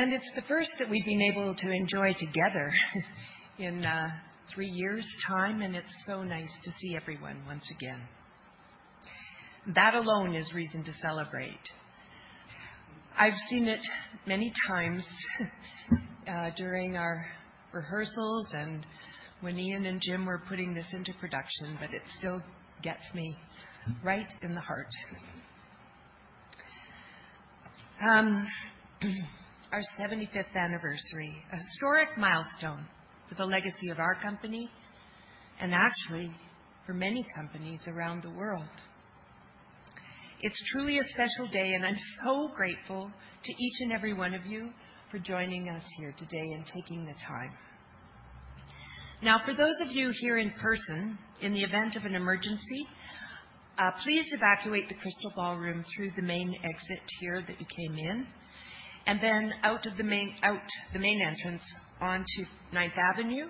It's the first that we've been able to enjoy together in three years' time, and it's so nice to see everyone once again. That alone is reason to celebrate. I've seen it many times during our rehearsals and when Ian and Jim were putting this into production, but it still gets me right in the heart. Our seventy-fifth anniversary, a historic milestone for the legacy of our company and actually for many companies around the world. It's truly a special day, and I'm so grateful to each and every one of you for joining us here today and taking the time. Now, for those of you here in person, in the event of an emergency, please evacuate the Crystal Ballroom through the main exit here that you came in, and then out the main entrance onto Ninth Avenue.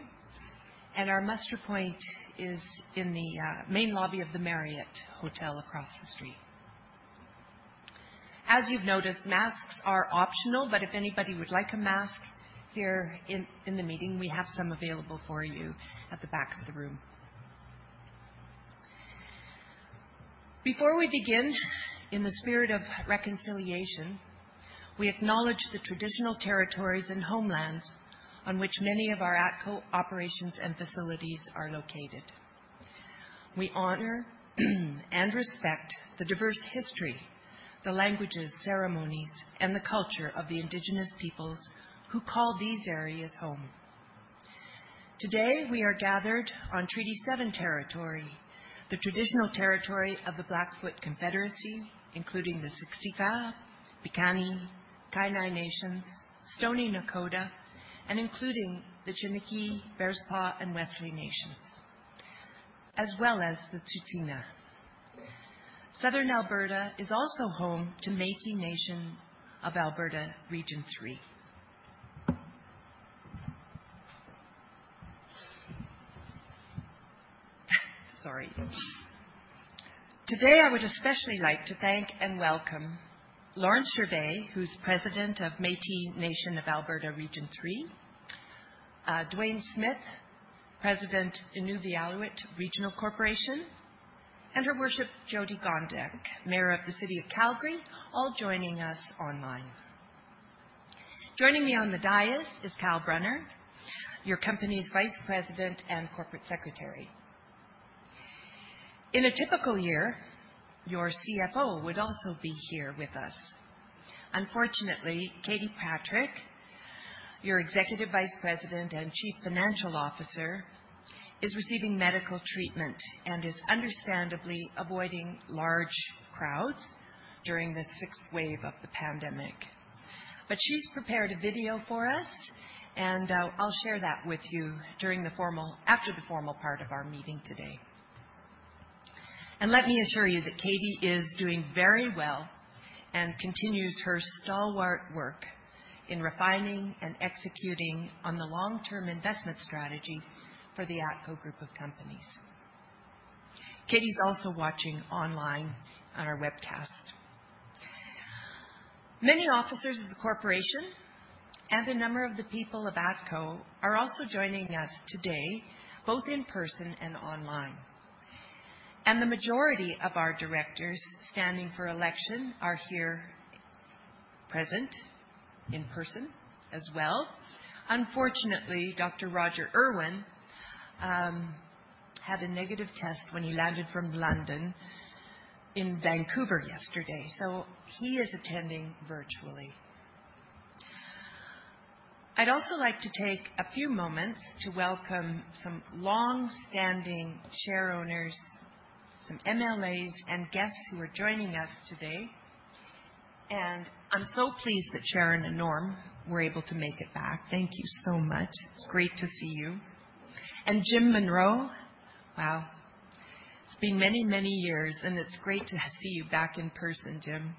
Our muster point is in the main lobby of the Marriott Hotel across the street. As you've noticed, masks are optional, but if anybody would like a mask here in the meeting, we have some available for you at the back of the room. Before we begin, in the spirit of reconciliation, we acknowledge the traditional territories and homelands on which many of our ATCO operations and facilities are located. We honor and respect the diverse history, the languages, ceremonies, and the culture of the Indigenous peoples who call these areas home. Today we are gathered on Treaty Seven territory, the traditional territory of the Blackfoot Confederacy, including the Siksika, Piikani, Kainai nations, Stoney Nakoda, and including the Chiniki, Bearspaw, and Wesley nations, as well as the Tsuut'ina. Southern Alberta is also home to Métis Nation of Alberta Region Three. Sorry. Today I would especially like to thank and welcome Lawrence Gervais, who's President of Métis Nation of Alberta Region 3, Duane Smith, President, Inuvialuit Regional Corporation, and Her Worship, Jyoti Gondek, Mayor of the City of Calgary, all joining us online. Joining me on the dais is Cal Brunner, your company's Vice President and Corporate Secretary. In a typical year, your CFO would also be here with us. Unfortunately, Katie Patrick, your Executive Vice President and Chief Financial Officer, is receiving medical treatment and is understandably avoiding large crowds during this sixth wave of the pandemic. She's prepared a video for us, and I'll share that with you after the formal part of our meeting today. Let me assure you that Katie is doing very well and continues her stalwart work in refining and executing on the long-term investment strategy for the ATCO group of companies. Katie's also watching online on our webcast. Many officers of the corporation and a number of the people of ATCO are also joining us today, both in person and online. The majority of our directors standing for election are here present in person as well. Unfortunately, Dr. Roger Urwin had a negative test when he landed from London in Vancouver yesterday, so he is attending virtually. I'd also like to take a few moments to welcome some longstanding share owners, some MLAs and guests who are joining us today. I'm so pleased that Sharon and Norm were able to make it back. Thank you so much. It's great to see you. Jim Monroe, wow, it's been many, many years, and it's great to see you back in person, Jim.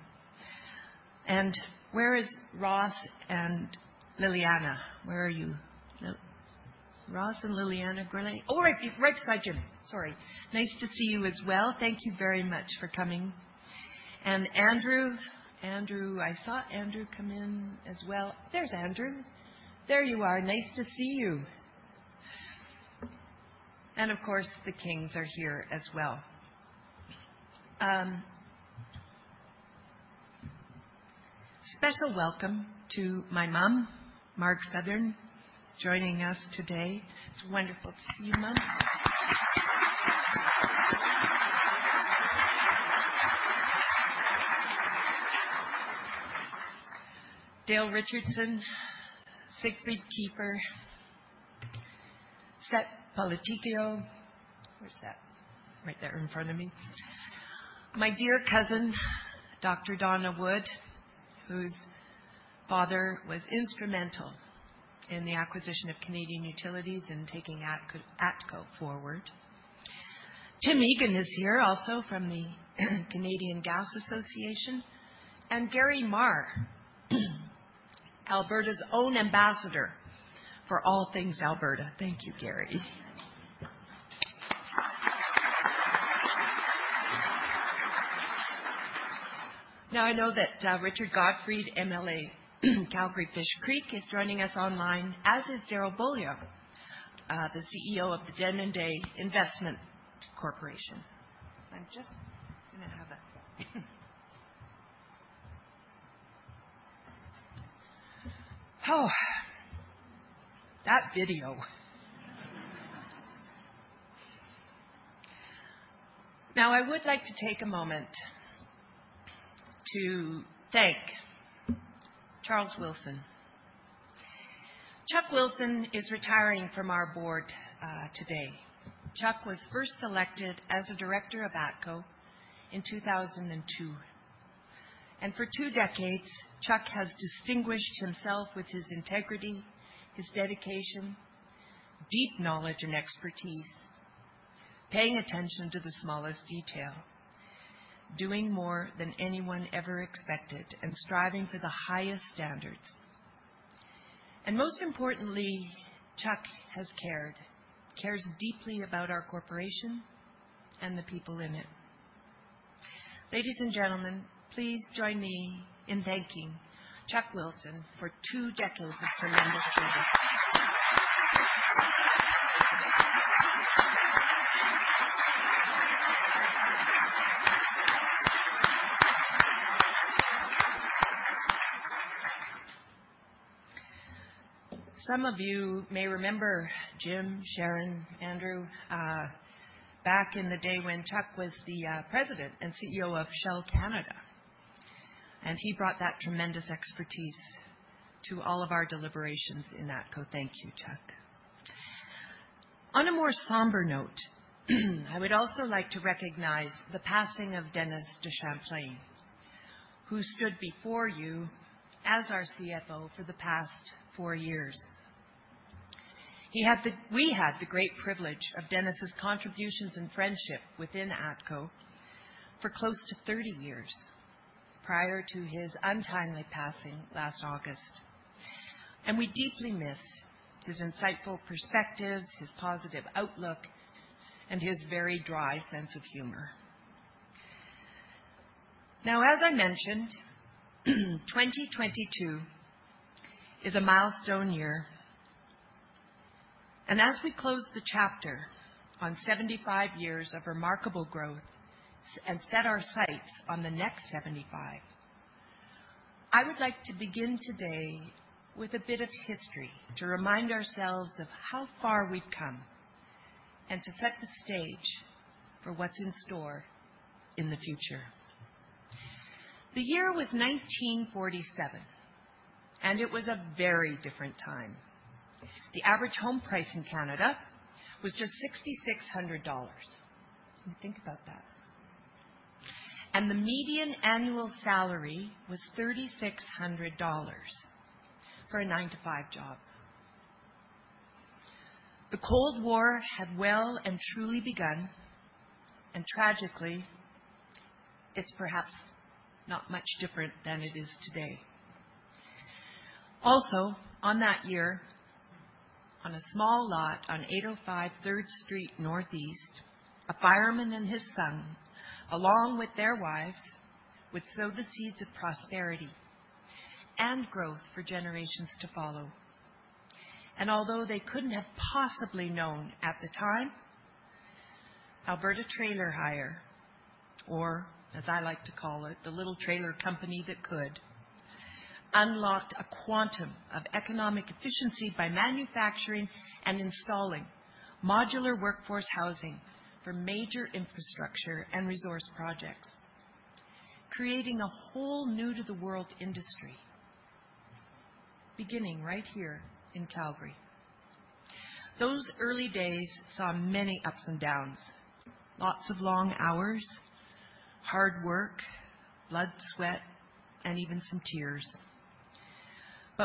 Where is Ross and Liliana? Where are you? Ross and Liliana Grilli. Oh, right beside Jim. Sorry. Nice to see you as well. Thank you very much for coming. Andrew Pollux. Andrew Pollux, I saw Andrew Pollux come in as well. There's Andrew Pollux. There you are. Nice to see you. Of course, the Kings are here as well. Special welcome to my mum, Marg Southern, joining us today. It's wonderful to see you, Mum. Dale Richardson, Siegfried Kiefer, Scott Balatichuk. Where's Scott? Right there in front of me. My dear cousin, Dr. Donna Wood, whose father was instrumental in the acquisition of Canadian Utilities and taking ATCO forward. Tim Egan is here also from the Canadian Gas Association. Gary Mar, Alberta's own ambassador for all things Alberta. Thank you, Gary. Now I know that Richard Gotfried, MLA Calgary-Fish Creek, is joining us online, as is Darrell Beaulieu, the CEO of the Denendeh Investments Incorporated. Now, I would like to take a moment to thank Charles Wilson. Chuck Wilson is retiring from our board today. Chuck was first elected as a director of ATCO in 2002. For two decades, Chuck has distinguished himself with his integrity, his dedication, deep knowledge, and expertise, paying attention to the smallest detail, doing more than anyone ever expected, and striving for the highest standards. Most importantly, Chuck cares deeply about our corporation and the people in it. Ladies and gentlemen, please join me in thanking Chuck Wilson for two decades of tremendous service. Some of you may remember Jim, Sharon, Andrew, back in the day when Chuck was the president and CEO of Shell Canada, and he brought that tremendous expertise to all of our deliberations in ATCO. Thank you, Chuck. On a more somber note, I would also like to recognize the passing of Dennis DeChamplain, who stood before you as our CFO for the past four years. We had the great privilege of Dennis' contributions and friendship within ATCO for close to 30 years prior to his untimely passing last August. We deeply miss his insightful perspectives, his positive outlook, and his very dry sense of humor. Now, as I mentioned, 2022 is a milestone year. As we close the chapter on 75 years of remarkable growth and set our sights on the next 75, I would like to begin today with a bit of history to remind ourselves of how far we've come and to set the stage for what's in store in the future. The year was 1947, and it was a very different time. The average home price in Canada was just 6,600 dollars. Can you think about that? The median annual salary was 3,600 dollars for a nine-to-five job. The Cold War had well and truly begun, and tragically, it's perhaps not much different than it is today. Also, on that year, on a small lot on 805 Third Street Northeast, a fireman and his son, along with their wives, would sow the seeds of prosperity and growth for generations to follow. Although they couldn't have possibly known at the time, Alberta Trailer Hire, or as I like to call it, the little trailer company that could, unlocked a quantum of economic efficiency by manufacturing and installing modular workforce housing for major infrastructure and resource projects, creating a whole new-to-the-world industry, beginning right here in Calgary. Those early days saw many ups and downs, lots of long hours, hard work, blood, sweat, and even some tears.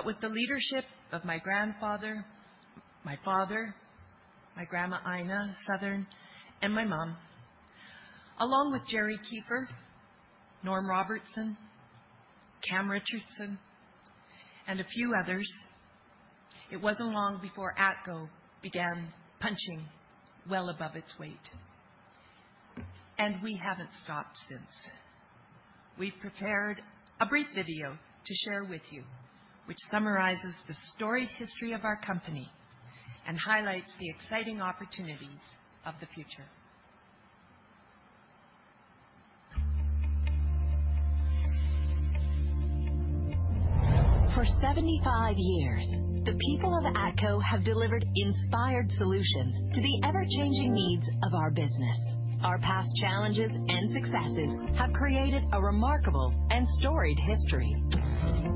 With the leadership of my grandfather, my father, my grandma, Ina Southern, and my mom, along with Siegfried Kiefer, Norman Robertson, Cam Richardson, and a few others, it wasn't long before ATCO began punching well above its weight. We haven't stopped since. We've prepared a brief video to share with you, which summarizes the storied history of our company and highlights the exciting opportunities of the future. For 75 years, the people of ATCO have delivered inspired solutions to the ever-changing needs of our business. Our past challenges and successes have created a remarkable and storied history.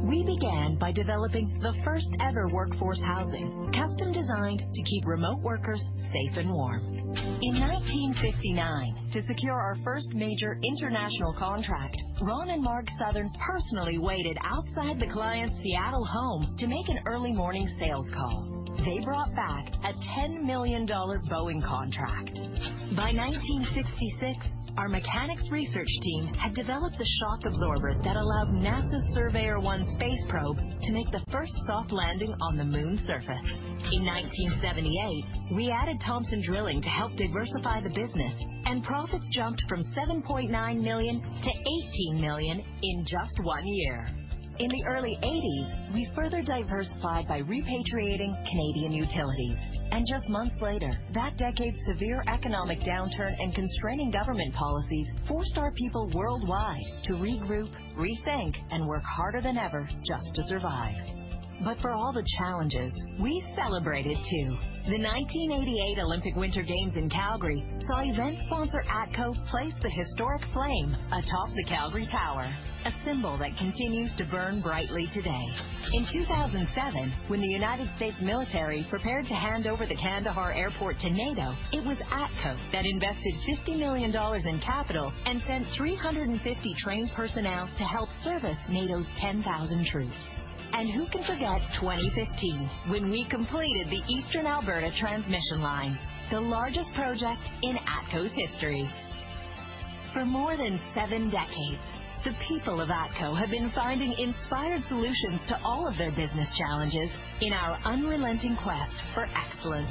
We began by developing the first-ever workforce housing, custom-designed to keep remote workers safe and warm. In 1959, to secure our first major international contract, Ron and Mark Southern personally waited outside the client's Seattle home to make an early morning sales call. They brought back a $10 million Boeing contract. By 1966, our mechanics research team had developed the shock absorber that allowed NASA's Surveyor 1 space probe to make the first soft landing on the Moon's surface. In 1978, we added Thompson Drilling to help diversify the business, and profits jumped from 7.9 million to 18 million in just one year. In the early 1980s, we further diversified by repatriating Canadian Utilities. Just months later, that decade's severe economic downturn and constraining government policies forced our people worldwide to regroup, rethink, and work harder than ever just to survive. For all the challenges, we celebrated too. The 1988 Olympic Winter Games in Calgary saw event sponsor ATCO place the historic flame atop the Calgary Tower, a symbol that continues to burn brightly today. In 2007, when the United States military prepared to hand over the Kandahar Airport to NATO, it was ATCO that invested $50 million in capital and sent 350 trained personnel to help service NATO's 10,000 troops. Who can forget 2015, when we completed the Eastern Alberta Transmission Line, the largest project in ATCO's history. For more than seven decades, the people of ATCO have been finding inspired solutions to all of their business challenges in our unrelenting quest for excellence.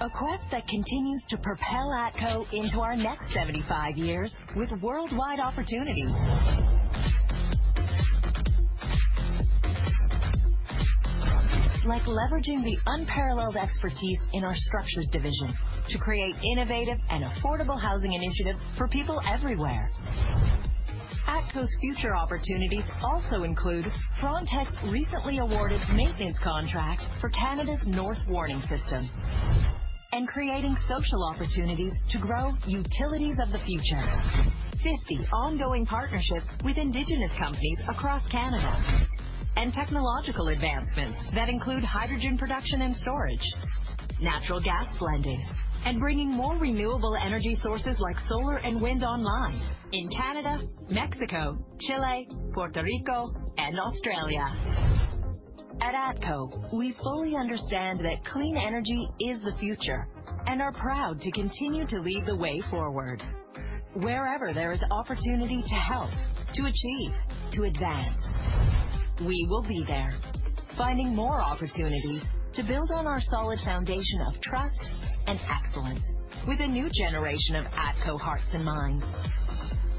A quest that continues to propel ATCO into our next 75 years with worldwide opportunities. Like leveraging the unparalleled expertise in our ATCO Structures division to create innovative and affordable housing initiatives for people everywhere. ATCO's future opportunities also include ATCO Frontec's recently awarded maintenance contract for Canada's North Warning System and creating social opportunities to grow utilities of the future. 50 ongoing partnerships with Indigenous companies across Canada and technological advancements that include hydrogen production and storage, natural gas blending, and bringing more renewable energy sources like solar and wind online in Canada, Mexico, Chile, Puerto Rico, and Australia. At ATCO, we fully understand that clean energy is the future and are proud to continue to lead the way forward. Wherever there is opportunity to help, to achieve, to advance, we will be there. Finding more opportunities to build on our solid foundation of trust and excellence with a new generation of ATCO hearts and minds.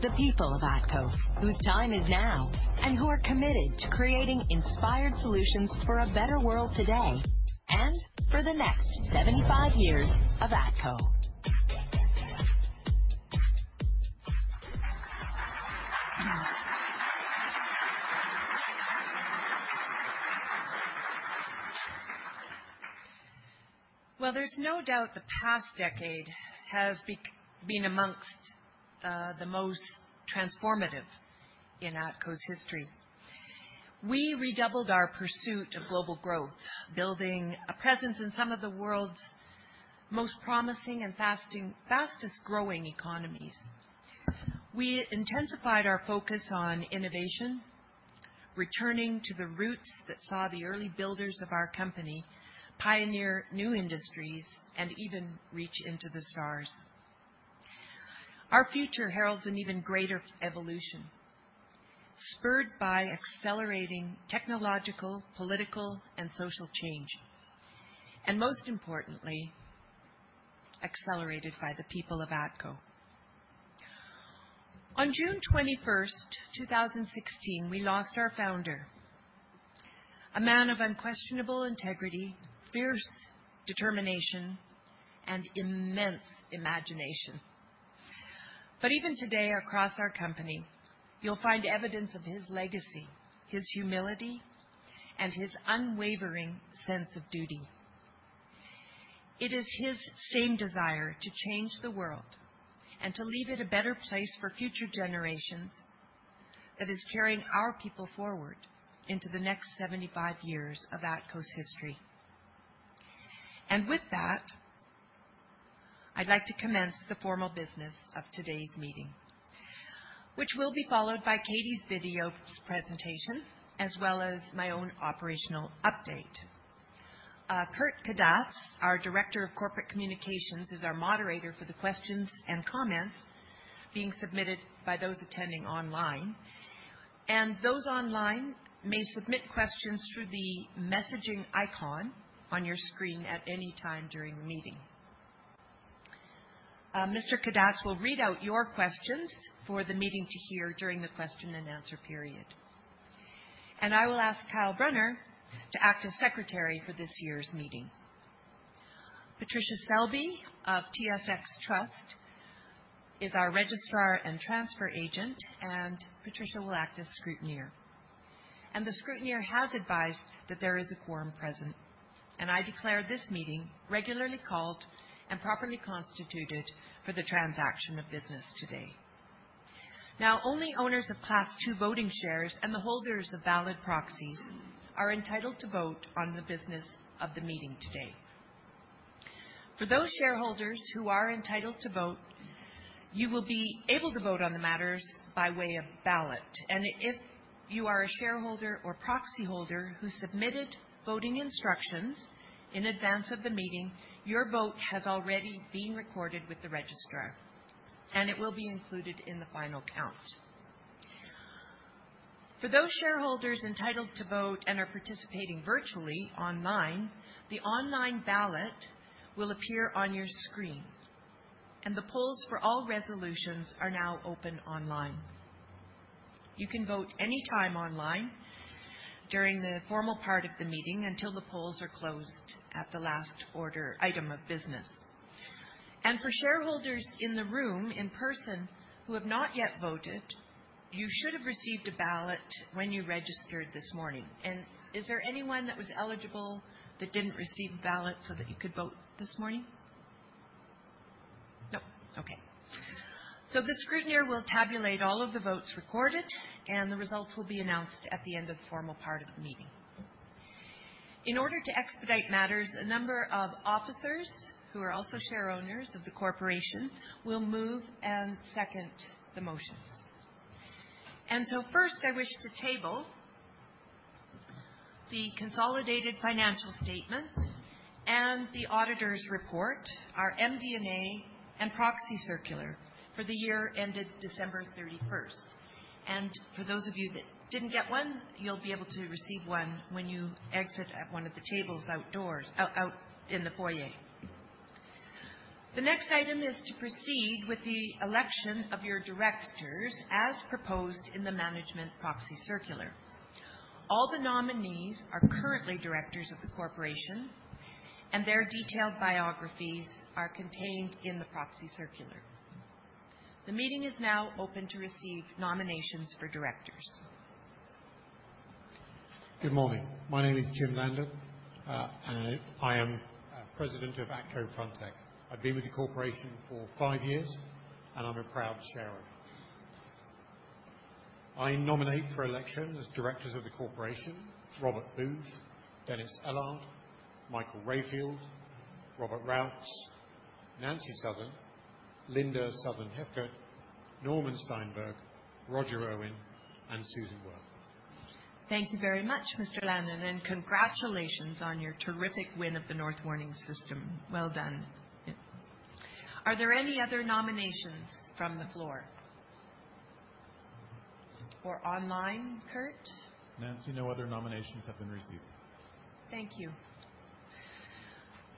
The people of ATCO, whose time is now, and who are committed to creating inspired solutions for a better world today and for the next 75 years of ATCO. Well, there's no doubt the past decade has been amongst the most transformative in ATCO's history. We redoubled our pursuit of global growth, building a presence in some of the world's most promising and fastest-growing economies. We intensified our focus on innovation, returning to the roots that saw the early builders of our company pioneer new industries and even reach into the stars. Our future heralds an even greater evolution, spurred by accelerating technological, political, and social change, and most importantly, accelerated by the people of ATCO. On June 21st, 2016, we lost our founder, a man of unquestionable integrity, fierce determination, and immense imagination. Even today, across our company, you'll find evidence of his legacy, his humility, and his unwavering sense of duty. It is his same desire to change the world and to leave it a better place for future generations that is carrying our people forward into the next 75 years of ATCO's history. With that, I'd like to commence the formal business of today's meeting, which will be followed by Katie's video presentation, as well as my own operational update. Kurt Kadatz, our Director of Corporate Communications, is our moderator for the questions and comments being submitted by those attending online. Those online may submit questions through the messaging icon on your screen at any time during the meeting. Mr. Kadatz will read out your questions for the meeting to hear during the question-and-answer period. I will ask Kyle Brunner to act as secretary for this year's meeting. Patricia Selby of TSX Trust is our registrar and transfer agent, and Patricia will act as scrutineer. The scrutineer has advised that there is a quorum present, and I declare this meeting regularly called and properly constituted for the transaction of business today. Now, only owners of Class II Voting Shares and the holders of valid proxies are entitled to vote on the business of the meeting today. For those shareholders who are entitled to vote, you will be able to vote on the matters by way of ballot. If you are a shareholder or proxy holder who submitted voting instructions in advance of the meeting, your vote has already been recorded with the registrar, and it will be included in the final count. For those shareholders entitled to vote and are participating virtually online, the online ballot will appear on your screen, and the polls for all resolutions are now open online. You can vote any time online during the formal part of the meeting until the polls are closed at the last order of business. For shareholders in the room, in person, who have not yet voted, you should have received a ballot when you registered this morning. Is there anyone that was eligible that didn't receive a ballot so that you could vote this morning? Nope. Okay. The scrutineer will tabulate all of the votes recorded, and the results will be announced at the end of the formal part of the meeting. In order to expedite matters, a number of officers who are also share owners of the corporation will move and second the motions. First, I wish to table the consolidated financial statements and the auditor's report, our MD&A and proxy circular for the year ended December 31st. For those of you that didn't get one, you'll be able to receive one when you exit at one of the tables out in the foyer. The next item is to proceed with the election of your directors as proposed in the management proxy circular. All the nominees are currently directors of the corporation, and their detailed biographies are contained in the proxy circular. The meeting is now open to receive nominations for directors. Good morning. My name is Jim Landon. I am president of ATCO Frontec. I've been with the corporation for five years, and I'm a proud shareowner. I nominate for election as directors of the corporation, Robert Booth, Denis Ellard, Michael Rayfield, Robert Routs, Nancy Southern, Linda Southern-Heathcott, Norman Steinberg, Roger Urwin, and Susan Werth. Thank you very much, Mr. Landon, and congratulations on your terrific win of the North Warning System. Well done. Are there any other nominations from the floor or online, Kurt? Nancy, no other nominations have been received. Thank you.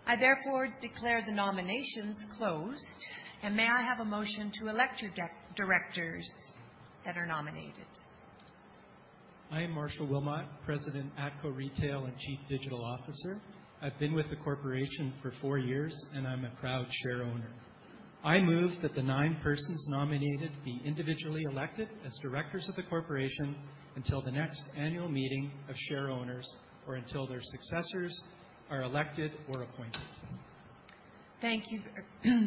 I therefore declare the nominations closed, and may I have a motion to elect your directors that are nominated. I am Marshall Wilmot, President, ATCO Retail and Chief Digital Officer. I've been with the corporation for four years, and I'm a proud shareowner. I move that the nine persons nominated be individually elected as directors of the corporation until the next annual meeting of shareowners or until their successors are elected or appointed. Thank you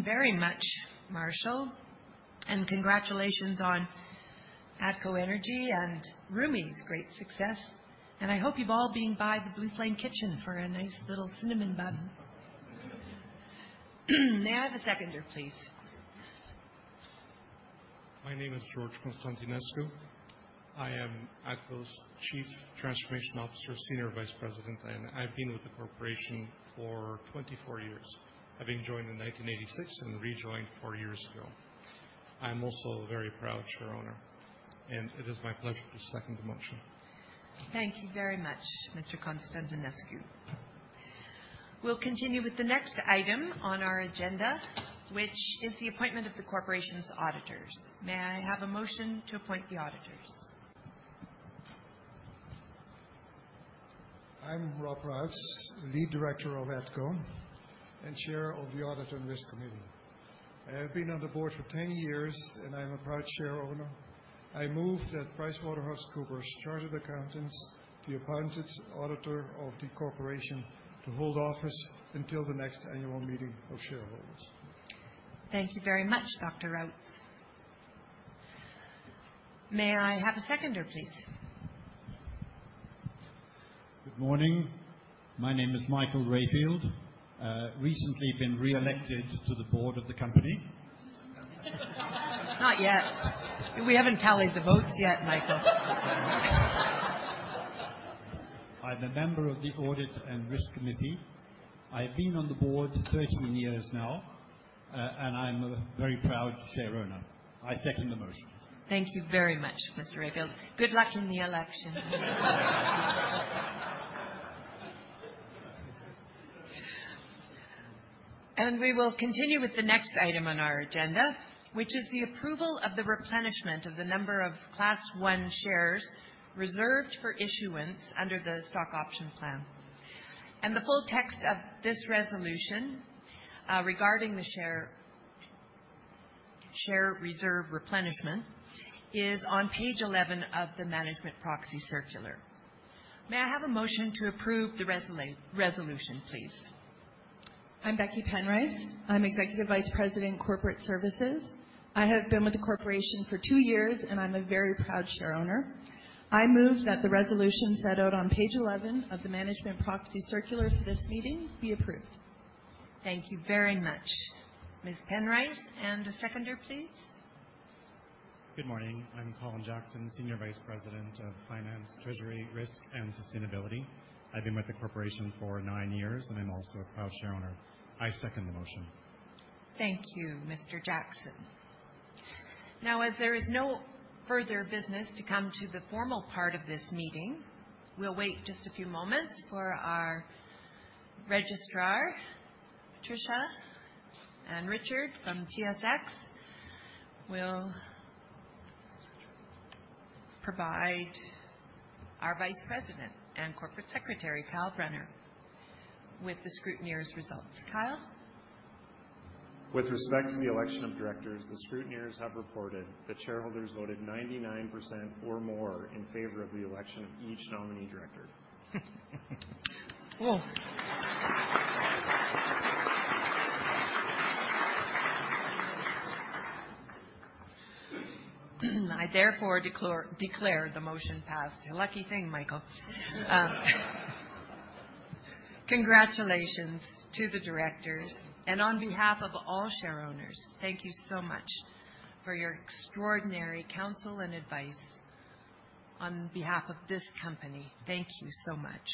very much, Marshall, and congratulations on ATCO Energy and Rümi's great success. I hope you've all been by the Blue Flame Kitchen for a nice little cinnamon bun. May I have a seconder, please? My name is George Constantinescu. I am ATCO's Chief Transformation Officer, Senior Vice President, and I've been with the corporation for 24 years, having joined in 1986 and rejoined four years ago. I'm also a very proud shareowner, and it is my pleasure to second the motion. Thank you very much, Mr. Constantinescu. We'll continue with the next item on our agenda, which is the appointment of the corporation's auditors. May I have a motion to appoint the auditors? I'm Rob Routs, Lead Director of ATCO and Chair of the Audit and Risk Committee. I have been on the board for 10 years, and I am a proud shareowner. I move that PricewaterhouseCoopers, Chartered Accountants, the appointed auditor of the corporation, to hold office until the next annual meeting of shareholders. Thank you very much, Dr. Routs. May I have a seconder, please? Good morning. My name is Michael Rayfield. Recently been reelected to the board of the company. Not yet. We haven't tallied the votes yet, Michael. I'm a member of the Audit and Risk Committee. I've been on the board 13 years now, and I'm a very proud shareowner. I second the motion. Thank you very much, Mr. Rayfield. Good luck in the election. We will continue with the next item on our agenda, which is the approval of the replenishment of the number of Class I Shares reserved for issuance under the stock option plan. The full text of this resolution regarding the share reserve replenishment is on page 11 of the management proxy circular. May I have a motion to approve the resolution, please? I'm Becky Penrice. I'm Executive Vice President, Corporate Services. I have been with the corporation for two years, and I'm a very proud shareowner. I move that the resolution set out on page 11 of the management proxy circular for this meeting be approved. Thank you very much, Ms. Penrice. A seconder, please. Good morning. I'm Colin Jackson, Senior Vice President of Finance, Treasury, Risk, and Sustainability. I've been with the corporation for nine years, and I'm also a proud shareowner. I second the motion. Thank you, Mr. Jackson. Now, as there is no further business to come to the formal part of this meeting, we'll wait just a few moments for our registrar, Patricia Selby, and Richard from TSX will provide our Vice President and Corporate Secretary, Kyle Brunner, with the scrutineer's results. Kyle? With respect to the election of directors, the scrutineers have reported that shareholders voted 99% or more in favor of the election of each nominee director. Whoa. I therefore declare the motion passed. Lucky thing, Michael. Congratulations to the directors, and on behalf of all share owners, thank you so much for your extraordinary counsel and advice on behalf of this company. Thank you so much.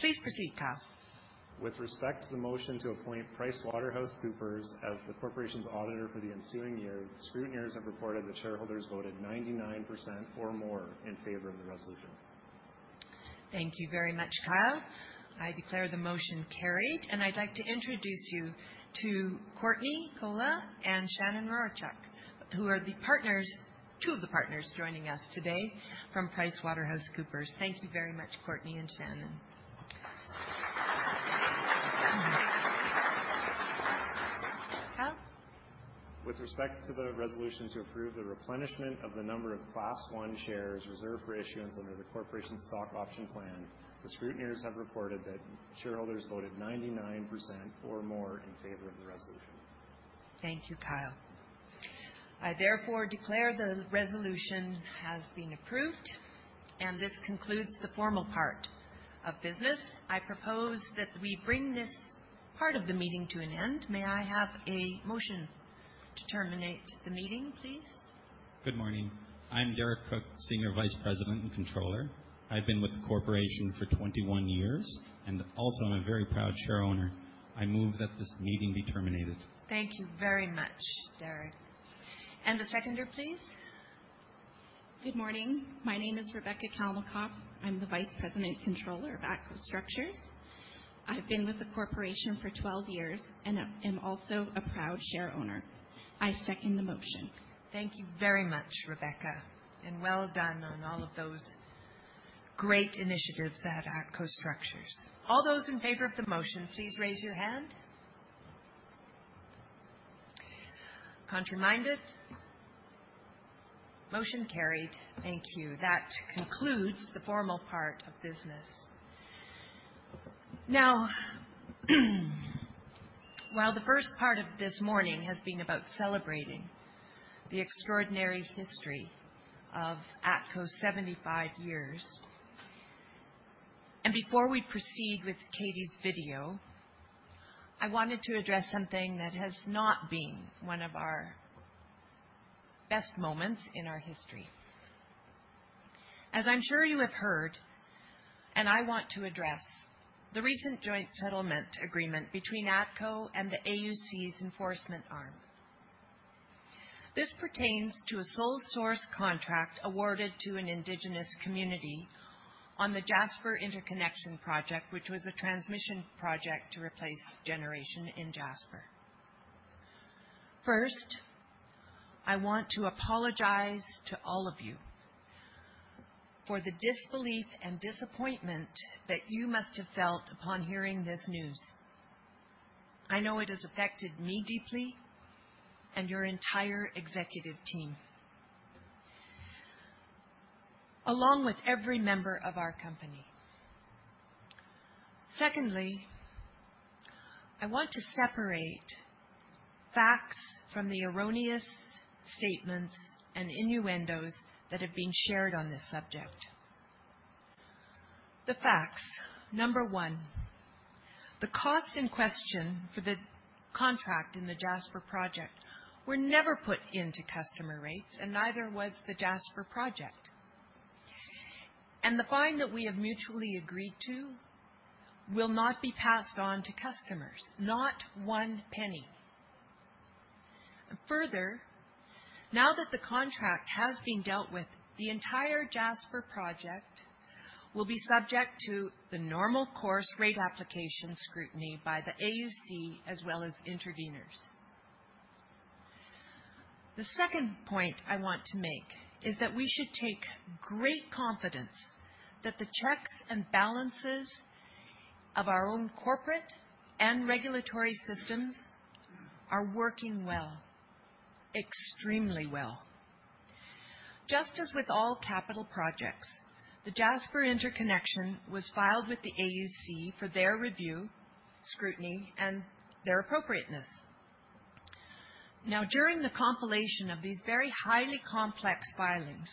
Please proceed, Kyle. With respect to the motion to appoint PricewaterhouseCoopers as the corporation's auditor for the ensuing year, the scrutineers have reported that shareholders voted 99% or more in favor of the resolution. Thank you very much, Kyle. I declare the motion carried, and I'd like to introduce you to Courtney Kolla and Shannon Ryhorchuk, who are the partners, two of the partners joining us today from PricewaterhouseCoopers. Thank you very much, Courtney and Shannon. Kyle? With respect to the resolution to approve the replenishment of the number of Class I Shares reserved for issuance under the corporation's stock option plan, the scrutineers have reported that shareholders voted 99% or more in favor of the resolution. Thank you, Kyle. I therefore declare the resolution has been approved, and this concludes the formal part of business. I propose that we bring this part of the meeting to an end. May I have a motion to terminate the meeting, please? Good morning. I'm Derek Cook, Senior Vice President & Controller. I've been with the corporation for 21 years, and also I'm a very proud shareowner. I move that this meeting be terminated. Thank you very much, Derek. The seconder, please. Good morning. My name is Rebecca Kalmacoff. I'm the Vice President and Controller of ATCO Structures. I've been with the corporation for 12 years and am also a proud shareowner. I second the motion. Thank you very much, Rebecca, and well done on all of those great initiatives at ATCO Structures. All those in favor of the motion, please raise your hand. Contrary-minded. Motion carried. Thank you. That concludes the formal part of business. Now, while the first part of this morning has been about celebrating the extraordinary history of ATCO's 75 years, and before we proceed with Katie's video, I wanted to address something that has not been one of our best moments in our history. As I'm sure you have heard, and I want to address, the recent joint settlement agreement between ATCO and the AUC's enforcement arm. This pertains to a sole source contract awarded to an Indigenous community on the Jasper Interconnection Project, which was a transmission project to replace generation in Jasper. First, I want to apologize to all of you for the disbelief and disappointment that you must have felt upon hearing this news. I know it has affected me deeply and your entire executive team, along with every member of our company. Secondly, I want to separate facts from the erroneous statements and innuendos that have been shared on this subject. The facts. Number one, the costs in question for the contract in the Jasper project were never put into customer rates, and neither was the Jasper project. The fine that we have mutually agreed to will not be passed on to customers, not one penny. Further, now that the contract has been dealt with, the entire Jasper project will be subject to the normal course rate application scrutiny by the AUC as well as interveners. The second point I want to make is that we should take great confidence that the checks and balances of our own corporate and regulatory systems are working well, extremely well. Just as with all capital projects, the Jasper interconnection was filed with the AUC for their review, scrutiny, and their appropriateness. Now, during the compilation of these very highly complex filings,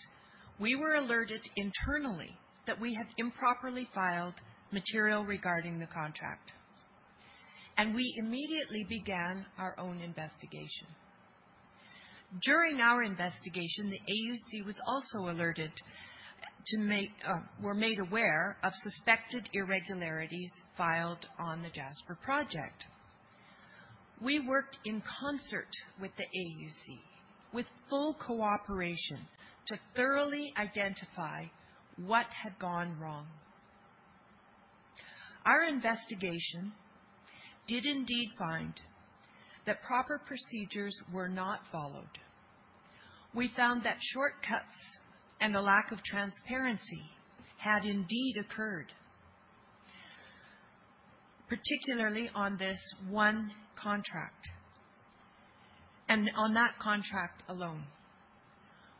we were alerted internally that we had improperly filed material regarding the contract, and we immediately began our own investigation. During our investigation, the AUC was also made aware of suspected irregularities filed on the Jasper project. We worked in concert with the AUC with full cooperation to thoroughly identify what had gone wrong. Our investigation did indeed find that proper procedures were not followed. We found that shortcuts and a lack of transparency had indeed occurred, particularly on this one contract. On that contract alone,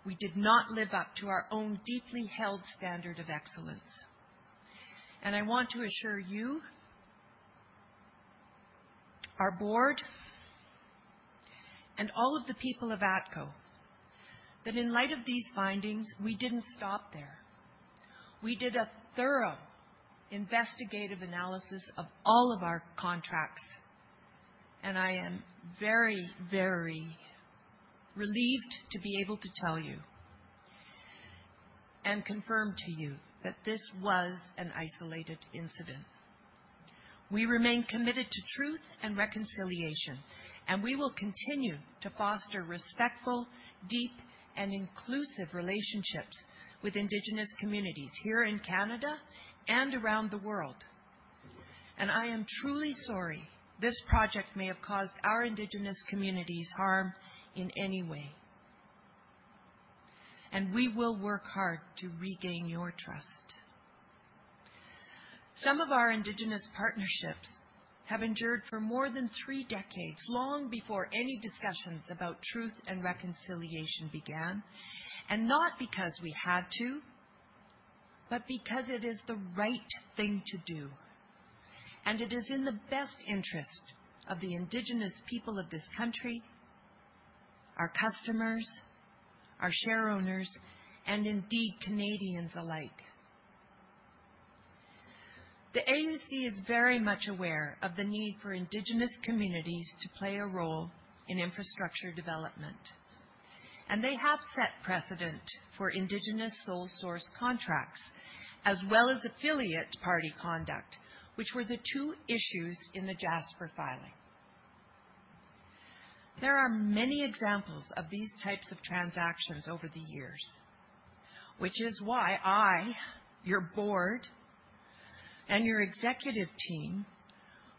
we did not live up to our own deeply held standard of excellence. I want to assure you, our board, and all of the people of ATCO that in light of these findings, we didn't stop there. We did a thorough investigative analysis of all of our contracts, and I am very, very relieved to be able to tell you and confirm to you that this was an isolated incident. We remain committed to truth and reconciliation, and we will continue to foster respectful, deep, and inclusive relationships with Indigenous communities here in Canada and around the world. I am truly sorry this project may have caused our Indigenous communities harm in any way. We will work hard to regain your trust. Some of our Indigenous partnerships have endured for more than three decades, long before any discussions about Truth and Reconciliation began, and not because we had to, but because it is the right thing to do, and it is in the best interest of the Indigenous people of this country, our customers, our share owners, and indeed, Canadians alike. The AUC is very much aware of the need for Indigenous communities to play a role in infrastructure development, and they have set precedent for Indigenous sole source contracts, as well as affiliate party conduct, which were the two issues in the Jasper filing. There are many examples of these types of transactions over the years, which is why I, your board, and your executive team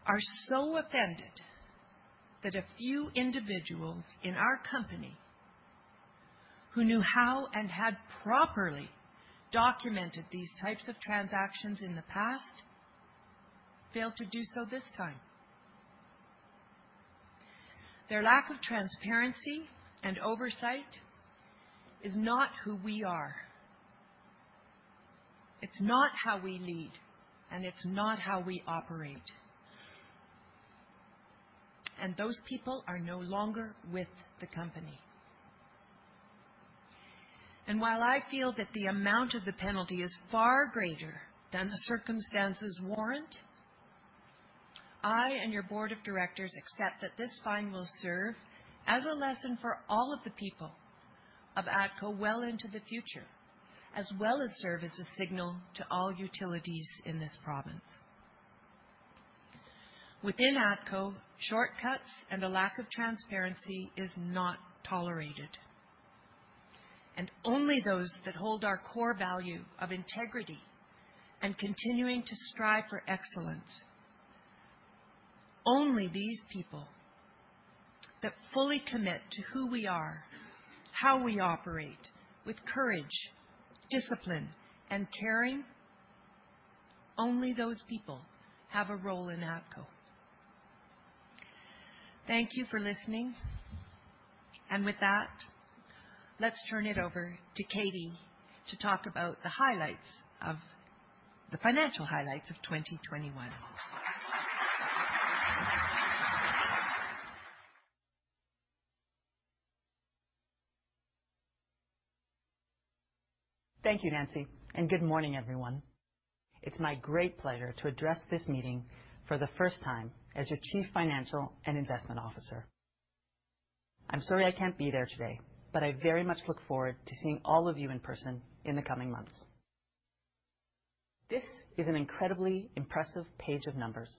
are so offended that a few individuals in our company who knew how and had properly documented these types of transactions in the past failed to do so this time. Their lack of transparency and oversight is not who we are. It's not how we lead, and it's not how we operate. Those people are no longer with the company. While I feel that the amount of the penalty is far greater than the circumstances warrant, I and your board of directors accept that this fine will serve as a lesson for all of the people of ATCO well into the future, as well as serve as a signal to all utilities in this province. Within ATCO, shortcuts and a lack of transparency is not tolerated. Only those that hold our core value of integrity and continuing to strive for excellence, only these people that fully commit to who we are, how we operate with courage, discipline, and caring, only those people have a role in ATCO. Thank you for listening. With that, let's turn it over to Katie to talk about the financial highlights of 2021. Thank you, Nancy. Good morning, everyone. It's my great pleasure to address this meeting for the first time as your chief financial and investment officer. I'm sorry I can't be there today, but I very much look forward to seeing all of you in person in the coming months. This is an incredibly impressive page of numbers.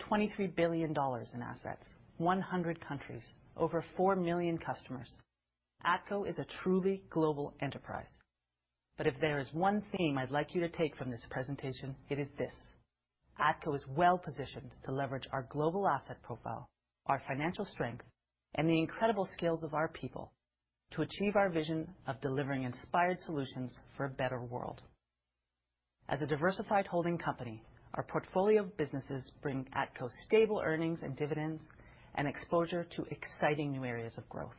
23 billion dollars in assets, 100 countries, over four million customers. ATCO is a truly global enterprise. If there is one theme I'd like you to take from this presentation, it is this. ATCO is well-positioned to leverage our global asset profile, our financial strength, and the incredible skills of our people to achieve our vision of delivering inspired solutions for a better world. As a diversified holding company, our portfolio of businesses bring ATCO stable earnings and dividends and exposure to exciting new areas of growth.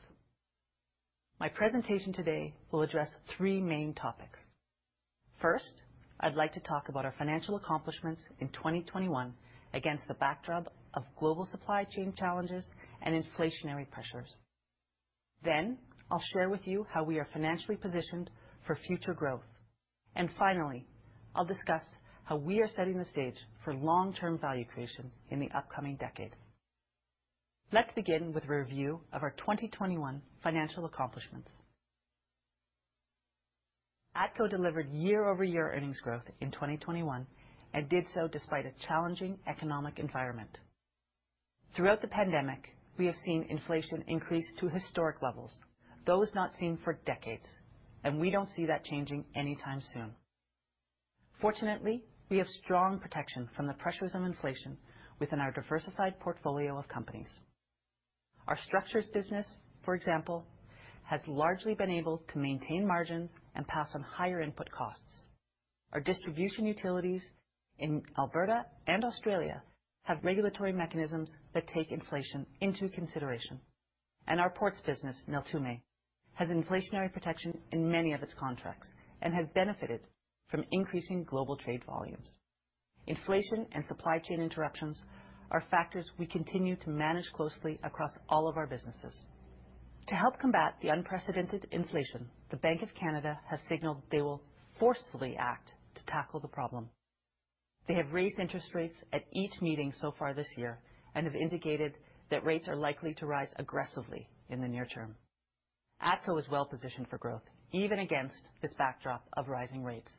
My presentation today will address three main topics. First, I'd like to talk about our financial accomplishments in 2021 against the backdrop of global supply chain challenges and inflationary pressures. I'll share with you how we are financially positioned for future growth. Finally, I'll discuss how we are setting the stage for long-term value creation in the upcoming decade. Let's begin with a review of our 2021 financial accomplishments. ATCO delivered year-over-year earnings growth in 2021 and did so despite a challenging economic environment. Throughout the pandemic, we have seen inflation increase to historic levels, those not seen for decades, and we don't see that changing anytime soon. Fortunately, we have strong protection from the pressures of inflation within our diversified portfolio of companies. Our structures business, for example, has largely been able to maintain margins and pass on higher input costs. Our distribution utilities in Alberta and Australia have regulatory mechanisms that take inflation into consideration. Our ports business, Neltume, has inflationary protection in many of its contracts and has benefited from increasing global trade volumes. Inflation and supply chain interruptions are factors we continue to manage closely across all of our businesses. To help combat the unprecedented inflation, the Bank of Canada has signaled they will forcefully act to tackle the problem. They have raised interest rates at each meeting so far this year and have indicated that rates are likely to rise aggressively in the near term. ATCO is well-positioned for growth, even against this backdrop of rising rates.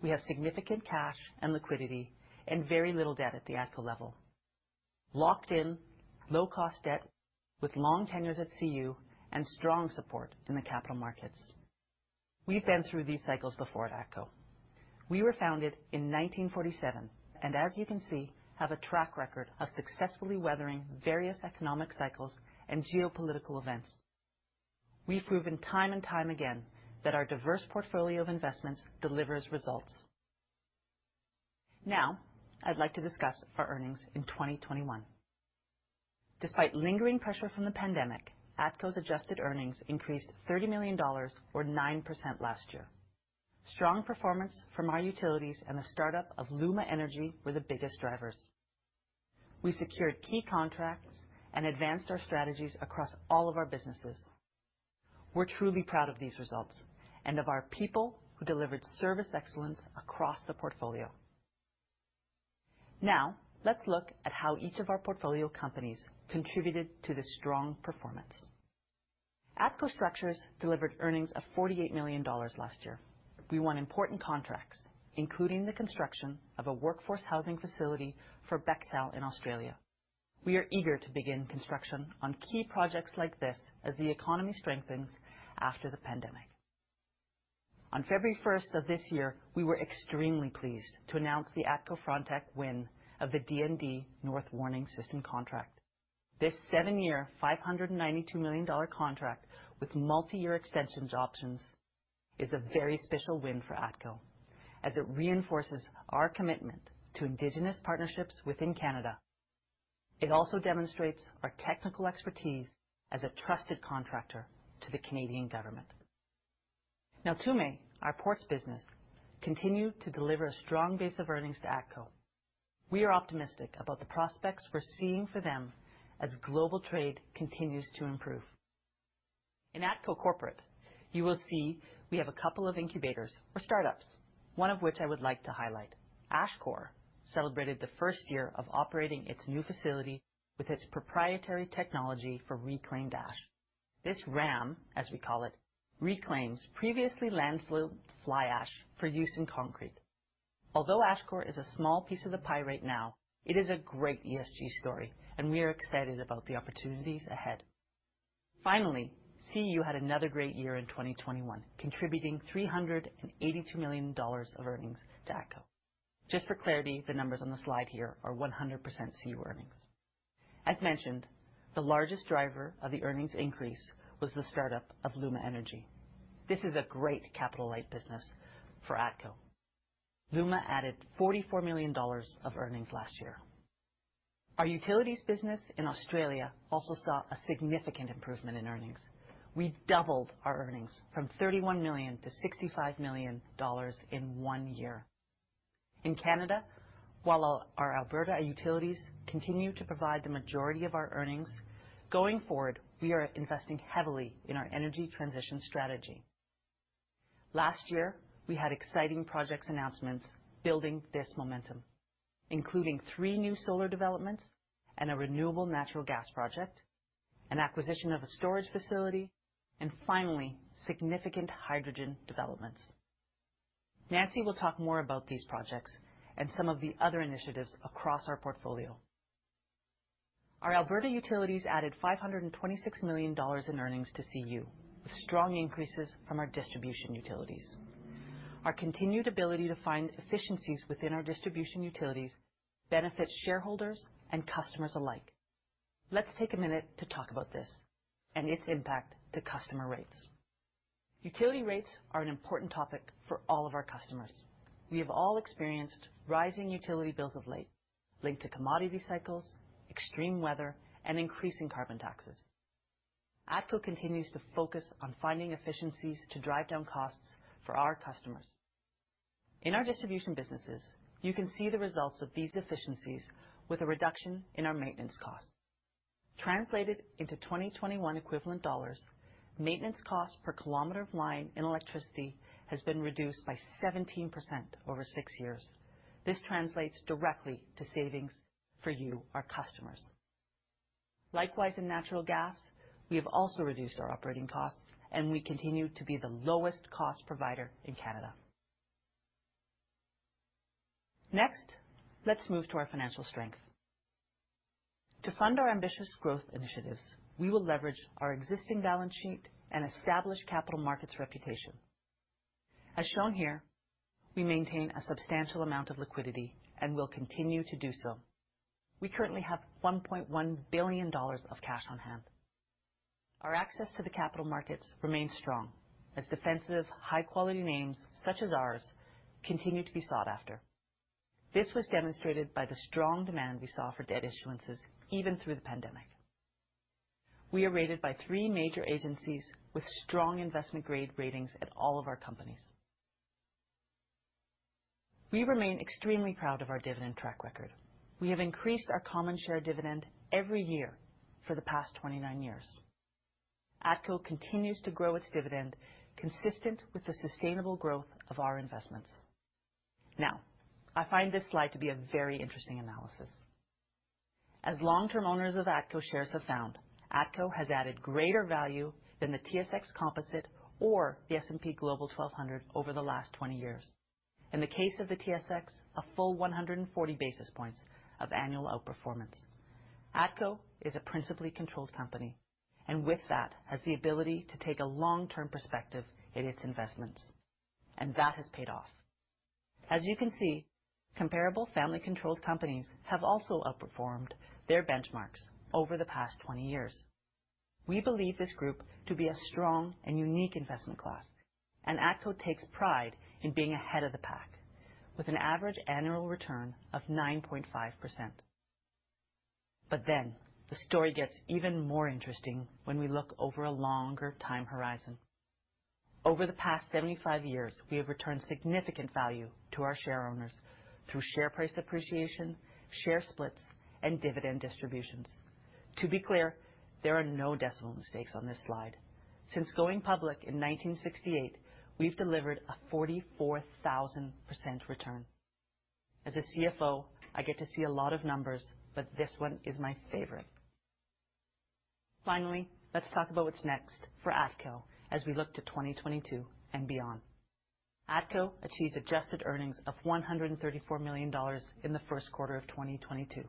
We have significant cash and liquidity and very little debt at the ATCO level. Locked-in low-cost debt with long tenures at CU and strong support in the capital markets. We've been through these cycles before at ATCO. We were founded in 1947, and as you can see, have a track record of successfully weathering various economic cycles and geopolitical events. We've proven time and time again that our diverse portfolio of investments delivers results. Now I'd like to discuss our earnings in 2021. Despite lingering pressure from the pandemic, ATCO's adjusted earnings increased 30 million dollars or 9% last year. Strong performance from our utilities and the startup of LUMA Energy were the biggest drivers. We secured key contracts and advanced our strategies across all of our businesses. We're truly proud of these results and of our people who delivered service excellence across the portfolio. Now let's look at how each of our portfolio companies contributed to this strong performance. ATCO Structures delivered earnings of 48 million dollars last year. We won important contracts, including the construction of a workforce housing facility for Bechtel in Australia. We are eager to begin construction on key projects like this as the economy strengthens after the pandemic. On February first of this year, we were extremely pleased to announce the ATCO Frontec win of the DND North Warning System contract. This seven-year, 592 million dollar contract with multi-year extensions options is a very special win for ATCO as it reinforces our commitment to indigenous partnerships within Canada. It also demonstrates our technical expertise as a trusted contractor to the Canadian government. Neltume, our ports business, continued to deliver a strong base of earnings to ATCO. We are optimistic about the prospects we're seeing for them as global trade continues to improve. In ATCO Corporate, you will see we have a couple of incubators or startups, one of which I would like to highlight. Ashcor celebrated the first year of operating its new facility with its proprietary technology for reclaimed ash. This RAM, as we call it, reclaims previously landfilled fly ash for use in concrete. Although Ashcor is a small piece of the pie right now, it is a great ESG story, and we are excited about the opportunities ahead. Finally, CU had another great year in 2021, contributing 382 million dollars of earnings to ATCO. Just for clarity, the numbers on the slide here are 100% CU earnings. As mentioned, the largest driver of the earnings increase was the startup of LUMA Energy. This is a great capital light business for ATCO. LUMA added 44 million dollars of earnings last year. Our utilities business in Australia also saw a significant improvement in earnings. We doubled our earnings from 31 million to 65 million dollars in one year. In Canada, while our Alberta utilities continue to provide the majority of our earnings, going forward, we are investing heavily in our energy transition strategy. Last year, we had exciting projects announcements building this momentum, including three new solar developments and a renewable natural gas project, an acquisition of a storage facility, and finally, significant hydrogen developments. Nancy will talk more about these projects and some of the other initiatives across our portfolio. Our Alberta utilities added 526 million dollars in earnings to CU. Strong increases from our distribution utilities. Our continued ability to find efficiencies within our distribution utilities benefits shareholders and customers alike. Let's take a minute to talk about this and its impact to customer rates. Utility rates are an important topic for all of our customers. We have all experienced rising utility bills of late, linked to commodity cycles, extreme weather, and increasing carbon taxes. ATCO continues to focus on finding efficiencies to drive down costs for our customers. In our distribution businesses, you can see the results of these efficiencies with a reduction in our maintenance costs. Translated into 2021 equivalent dollars, maintenance cost per kilometer of line in electricity has been reduced by 17% over 6 years. This translates directly to savings for you, our customers. Likewise, in natural gas, we have also reduced our operating costs, and we continue to be the lowest cost provider in Canada. Next, let's move to our financial strength. To fund our ambitious growth initiatives, we will leverage our existing balance sheet and establish capital markets reputation. As shown here, we maintain a substantial amount of liquidity and will continue to do so. We currently have 1.1 billion dollars of cash on hand. Our access to the capital markets remains strong as defensive, high-quality names such as ours continue to be sought after. This was demonstrated by the strong demand we saw for debt issuances even through the pandemic. We are rated by three major agencies with strong investment grade ratings at all of our companies. We remain extremely proud of our dividend track record. We have increased our common share dividend every year for the past 29 years. ATCO continues to grow its dividend consistent with the sustainable growth of our investments. Now, I find this slide to be a very interesting analysis. As long-term owners of ATCO shares have found, ATCO has added greater value than the TSX Composite or the S&P Global 1200 over the last 20 years. In the case of the TSX, a full 140 basis points of annual outperformance. ATCO is a principally controlled company, and with that has the ability to take a long-term perspective in its investments, and that has paid off. As you can see, comparable family-controlled companies have also outperformed their benchmarks over the past 20 years. We believe this group to be a strong and unique investment class, and ATCO takes pride in being ahead of the pack with an average annual return of 9.5%. The story gets even more interesting when we look over a longer time horizon. Over the past 75 years, we have returned significant value to our shareowners through share price appreciation, share splits, and dividend distributions. To be clear, there are no decimal mistakes on this slide. Since going public in 1968, we've delivered a 44,000% return. As a CFO, I get to see a lot of numbers, but this one is my favorite. Finally, let's talk about what's next for ATCO as we look to 2022 and beyond. ATCO achieved adjusted earnings of 134 million dollars in the first quarter of 2022,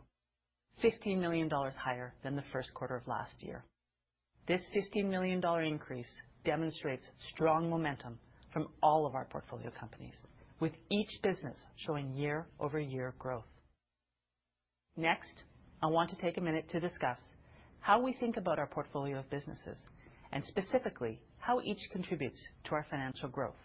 15 million dollars higher than the first quarter of last year. This 15 million dollar increase demonstrates strong momentum from all of our portfolio companies, with each business showing year-over-year growth. Next, I want to take a minute to discuss how we think about our portfolio of businesses and specifically how each contributes to our financial growth.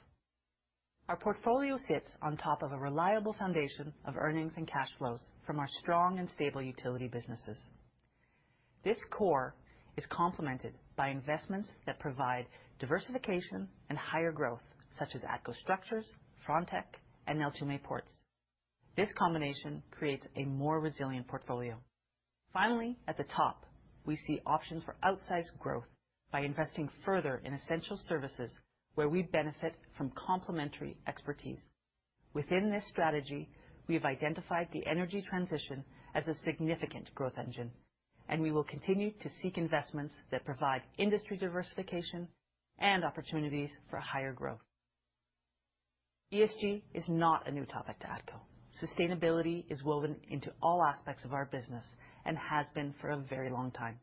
Our portfolio sits on top of a reliable foundation of earnings and cash flows from our strong and stable utility businesses. This core is complemented by investments that provide diversification and higher growth, such as ATCO Structures, Frontec and Neltume Ports. This combination creates a more resilient portfolio. Finally, at the top, we see options for outsized growth by investing further in essential services where we benefit from complementary expertise. Within this strategy, we have identified the energy transition as a significant growth engine, and we will continue to seek investments that provide industry diversification and opportunities for higher growth. ESG is not a new topic to ATCO. Sustainability is woven into all aspects of our business and has been for a very long time.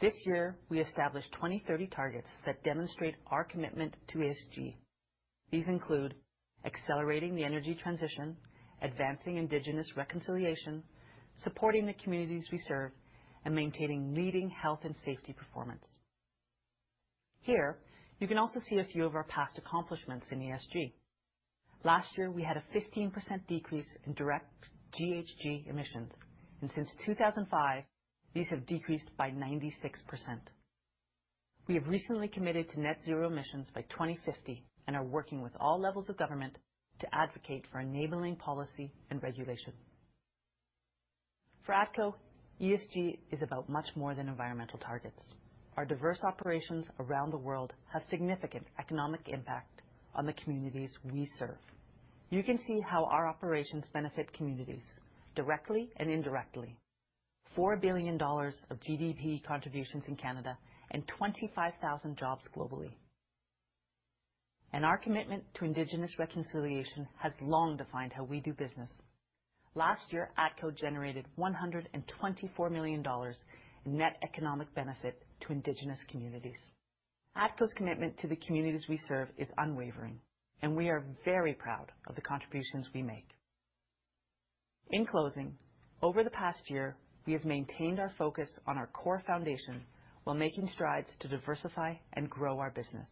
This year, we established 2030 targets that demonstrate our commitment to ESG. These include accelerating the energy transition, advancing indigenous reconciliation, supporting the communities we serve, and maintaining leading health and safety performance. Here you can also see a few of our past accomplishments in ESG. Last year, we had a 15% decrease in direct GHG emissions, and since 2005, these have decreased by 96%. We have recently committed to net zero emissions by 2050 and are working with all levels of government to advocate for enabling policy and regulation. For ATCO, ESG is about much more than environmental targets. Our diverse operations around the world have significant economic impact on the communities we serve. You can see how our operations benefit communities directly and indirectly. 4 billion dollars of GDP contributions in Canada and 25,000 jobs globally. Our commitment to indigenous reconciliation has long defined how we do business. Last year, ATCO generated 124 million dollars in net economic benefit to indigenous communities. ATCO's commitment to the communities we serve is unwavering, and we are very proud of the contributions we make. In closing, over the past year, we have maintained our focus on our core foundation while making strides to diversify and grow our business.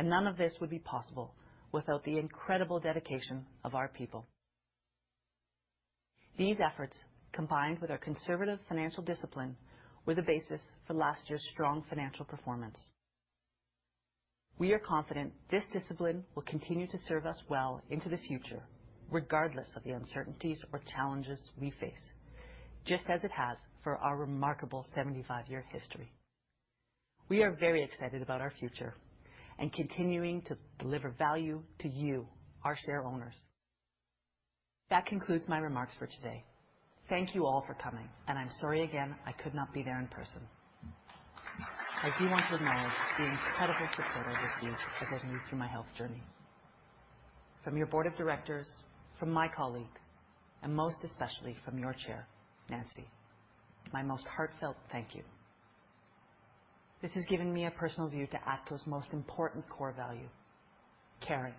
None of this would be possible without the incredible dedication of our people. These efforts, combined with our conservative financial discipline, were the basis for last year's strong financial performance. We are confident this discipline will continue to serve us well into the future, regardless of the uncertainties or challenges we face, just as it has for our remarkable 75-year history. We are very excited about our future and continuing to deliver value to you, our shareowners. That concludes my remarks for today. Thank you all for coming and I'm sorry again I could not be there in person. I do want to acknowledge the incredible support I received as I move through my health journey. From your board of directors, from my colleagues, and most especially from your Chair, Nancy, my most heartfelt thank you. This has given me a personal view to ATCO's most important core value, caring.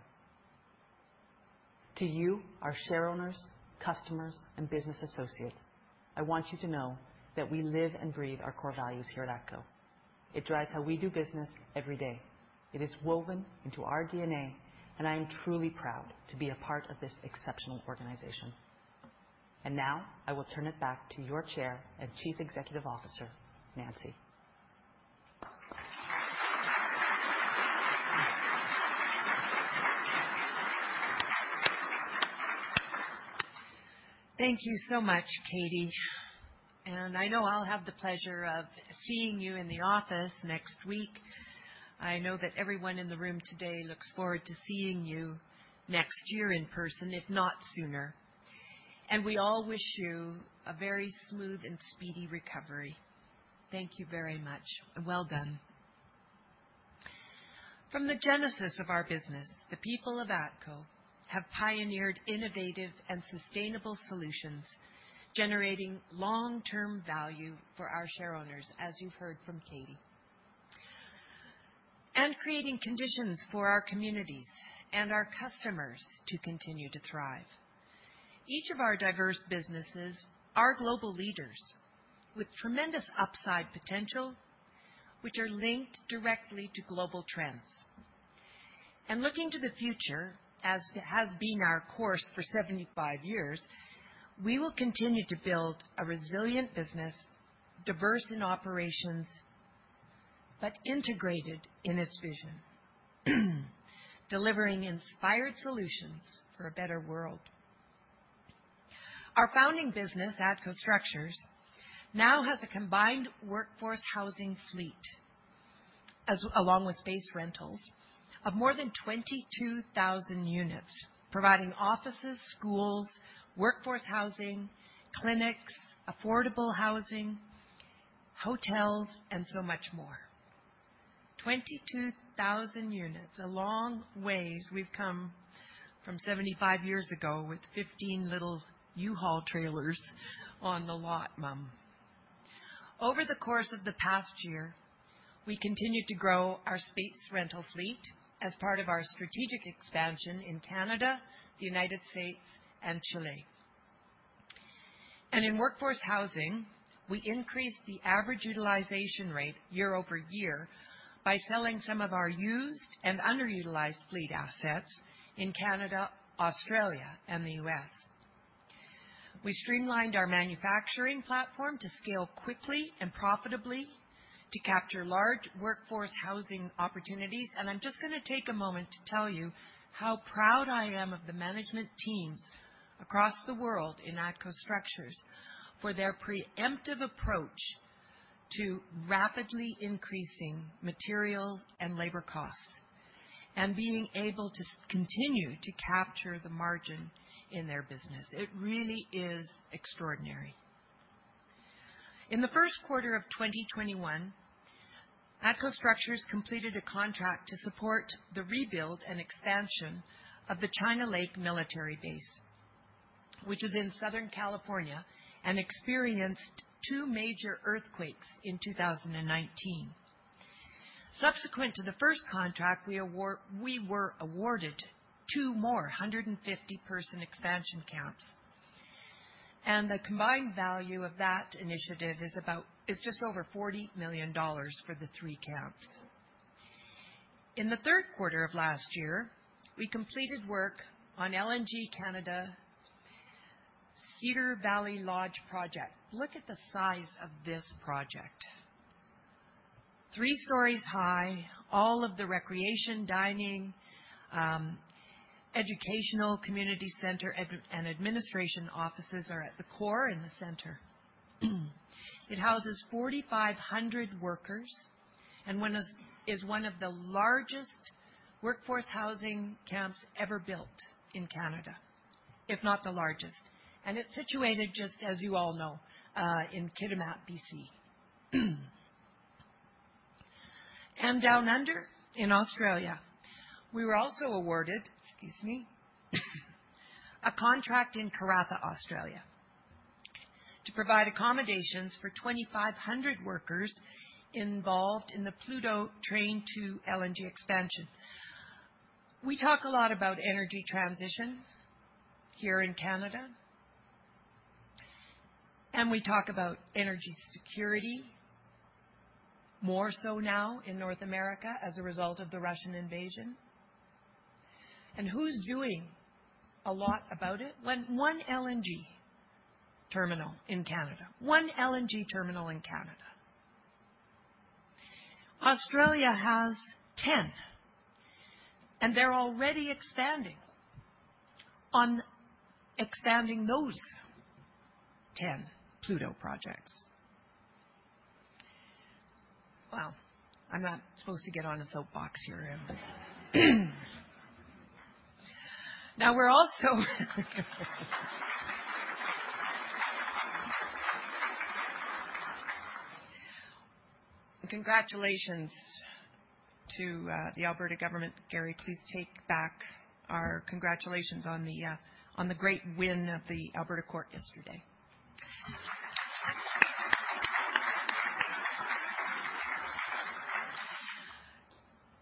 To you, our share owners, customers, and business associates, I want you to know that we live and breathe our core values here at ATCO. It drives how we do business every day. It is woven into our DNA, and I am truly proud to be a part of this exceptional organization. Now I will turn it back to your Chair and Chief Executive Officer, Nancy Southern. Thank you so much, Katie. I know I'll have the pleasure of seeing you in the office next week. I know that everyone in the room today looks forward to seeing you next year in person, if not sooner. We all wish you a very smooth and speedy recovery. Thank you very much, and well done. From the genesis of our business, the people of ATCO have pioneered innovative and sustainable solutions, generating long-term value for our shareowners, as you've heard from Katie. Creating conditions for our communities and our customers to continue to thrive. Each of our diverse businesses are global leaders with tremendous upside potential, which are linked directly to global trends. Looking to the future, as has been our course for 75 years, we will continue to build a resilient business, diverse in operations, but integrated in its vision, delivering inspired solutions for a better world. Our founding business, ATCO Structures, now has a combined workforce housing fleet along with space rentals of more than 22,000 units, providing offices, schools, workforce housing, clinics, affordable housing, hotels, and so much more. 22,000 units. A long ways we've come from 75 years ago with 15 little U-Haul trailers on the lot, mom. Over the course of the past year, we continued to grow our space rental fleet as part of our strategic expansion in Canada, the United States, and Chile. In workforce housing, we increased the average utilization rate year over year by selling some of our used and underutilized fleet assets in Canada, Australia, and the U.S. We streamlined our manufacturing platform to scale quickly and profitably to capture large workforce housing opportunities. I'm just gonna take a moment to tell you how proud I am of the management teams across the world in ATCO Structures for their preemptive approach to rapidly increasing materials and labor costs and being able to continue to capture the margin in their business. It really is extraordinary. In the first quarter of 2021, ATCO Structures completed a contract to support the rebuild and expansion of the China Lake military base, which is in Southern California, and experienced two major earthquakes in 2019. Subsequent to the first contract we were awarded two more 250-person expansion camps, and the combined value of that initiative is just over $40 million for the three camps. In the third quarter of last year, we completed work on LNG Canada Cedar Valley Lodge project. Look at the size of this project. Three stories high, all of the recreation, dining, educational, community center, and administration offices are at the core in the center. It houses 4,500 workers and one is one of the largest workforce housing camps ever built in Canada, if not the largest. It's situated just as you all know in Kitimat, BC. Down under in Australia, we were also awarded, excuse me, a contract in Karratha, Australia, to provide accommodations for 2,500 workers involved in the Pluto Train 2 LNG expansion. We talk a lot about energy transition here in Canada. We talk about energy security, more so now in North America as a result of the Russian invasion. Who's doing a lot about it? 1 LNG terminal in Canada. Australia has 10, and they're already expanding on those 10 Pluto projects. Well, I'm not supposed to get on a soapbox here. Congratulations to the Alberta government. Gary Mar, please take back our congratulations on the great win of the Alberta Court yesterday.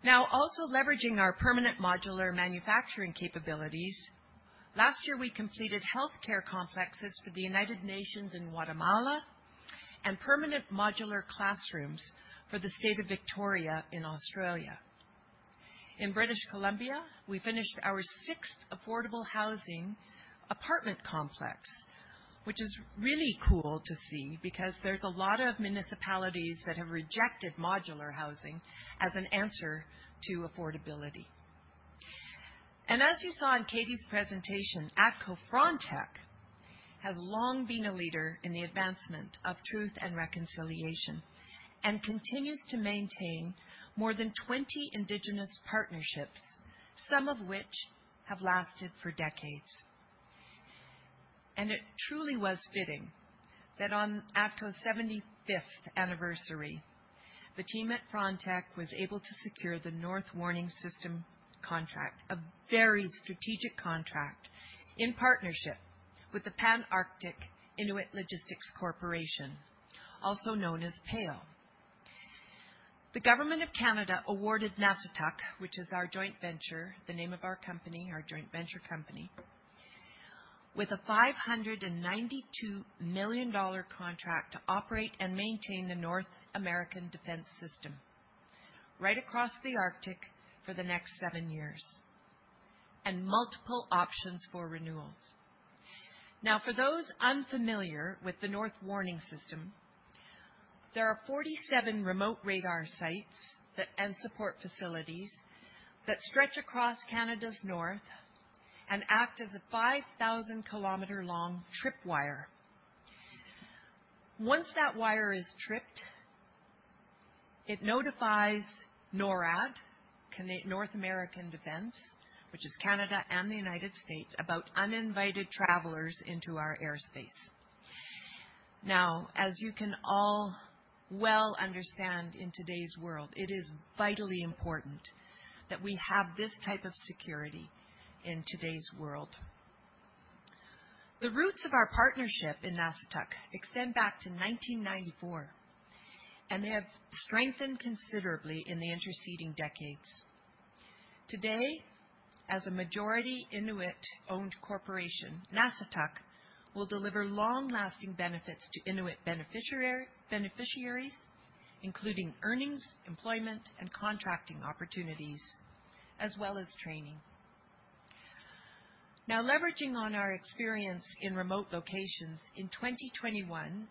Now, also leveraging our permanent modular manufacturing capabilities, last year we completed healthcare complexes for the United Nations in Guatemala and permanent modular classrooms for the State of Victoria in Australia. In British Columbia, we finished our 6th affordable housing apartment complex, which is really cool to see because there's a lot of municipalities that have rejected modular housing as an answer to affordability. As you saw in Katie's presentation, ATCO Frontec has long been a leader in the advancement of truth and reconciliation and continues to maintain more than 20 indigenous partnerships, some of which have lasted for decades. It truly was fitting that on ATCO's 75th anniversary, the team at Frontec was able to secure the North Warning System contract, a very strategic contract in partnership with the Pan Arctic Inuit Logistics Corporation, also known as PAIL. The Government of Canada awarded Nasittuq, which is our joint venture company, with a 592 million dollar contract to operate and maintain the North Warning System right across the Arctic for the next seven years, and multiple options for renewals. Now, for those unfamiliar with the North Warning System, there are 47 remote radar sites and support facilities that stretch across Canada's north and act as a 5,000 km long tripwire. Once that wire is tripped, it notifies NORAD, North American Defense, which is Canada and the United States, about uninvited travelers into our airspace. Now, as you can all well understand, in today's world, it is vitally important that we have this type of security in today's world. The roots of our partnership in Nasittuq extend back to 1994, and they have strengthened considerably in the interceding decades. Today, as a majority Inuit-owned corporation, Nasittuq will deliver long-lasting benefits to Inuit beneficiaries, including earnings, employment, and contracting opportunities, as well as training. Now leveraging on our experience in remote locations, in 2021,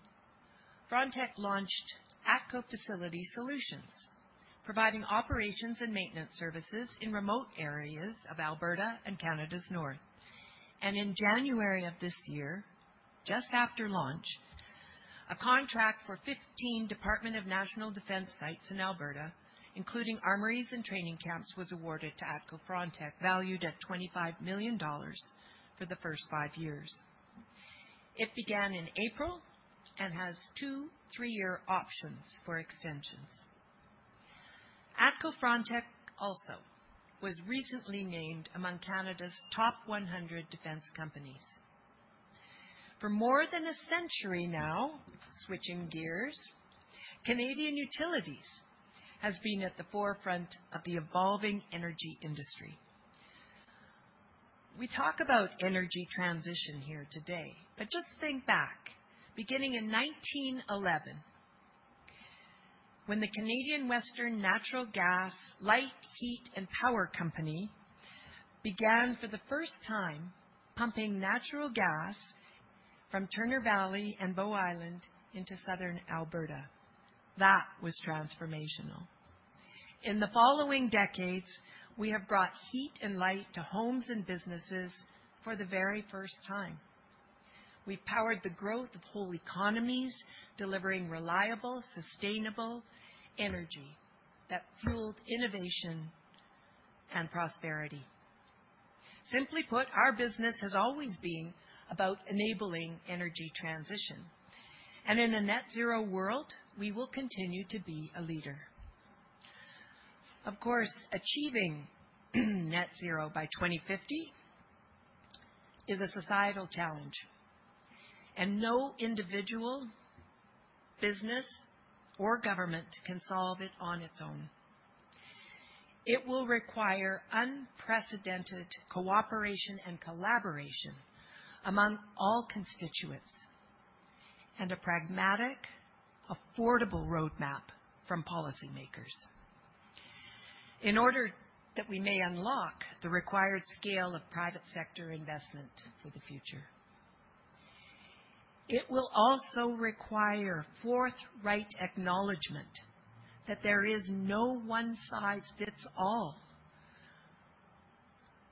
Frontec launched ATCO Facility Solutions, providing operations and maintenance services in remote areas of Alberta and Canada's North. In January of this year, just after launch, a contract for 15 Department of National Defence sites in Alberta, including armories and training camps, was awarded to ATCO Frontec, valued at 25 million dollars for the first five years. It began in April and has two, three-year options for extensions. ATCO Frontec also was recently named among Canada's top 100 defense companies. For more than a century now, switching gears, Canadian Utilities has been at the forefront of the evolving energy industry. We talk about energy transition here today, but just think back, beginning in 1911, when the Canadian Western Natural Gas Light, Heat and Power Company began, for the first time, pumping natural gas from Turner Valley and Bow Island into southern Alberta. That was transformational. In the following decades, we have brought heat and light to homes and businesses for the very first time. We've powered the growth of whole economies, delivering reliable, sustainable energy that fueled innovation and prosperity. Simply put, our business has always been about enabling energy transition, and in a net zero world, we will continue to be a leader. Of course, achieving net zero by 2050 is a societal challenge, and no individual, business, or government can solve it on its own. It will require unprecedented cooperation and collaboration among all constituents and a pragmatic, affordable roadmap from policymakers in order that we may unlock the required scale of private sector investment for the future. It will also require forthright acknowledgment that there is no one size fits all.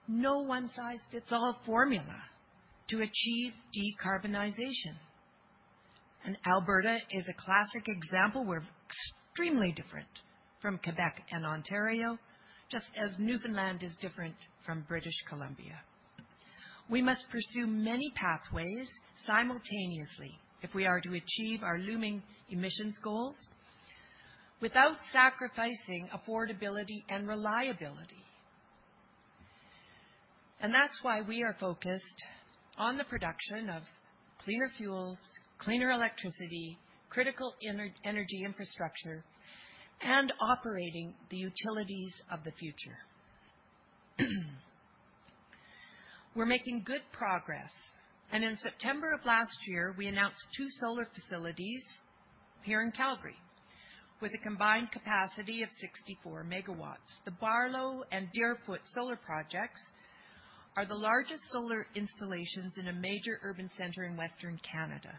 No one size fits all formula to achieve decarbonization. Alberta is a classic example. We're extremely different from Quebec and Ontario, just as Newfoundland is different from British Columbia. We must pursue many pathways simultaneously if we are to achieve our looming emissions goals without sacrificing affordability and reliability. That's why we are focused on the production of cleaner fuels, cleaner electricity, critical energy infrastructure, and operating the utilities of the future. We're making good progress, and in September of last year, we announced two solar facilities here in Calgary with a combined capacity of 64 MW. The Barlow and Deerfoot solar projects are the largest solar installations in a major urban center in Western Canada.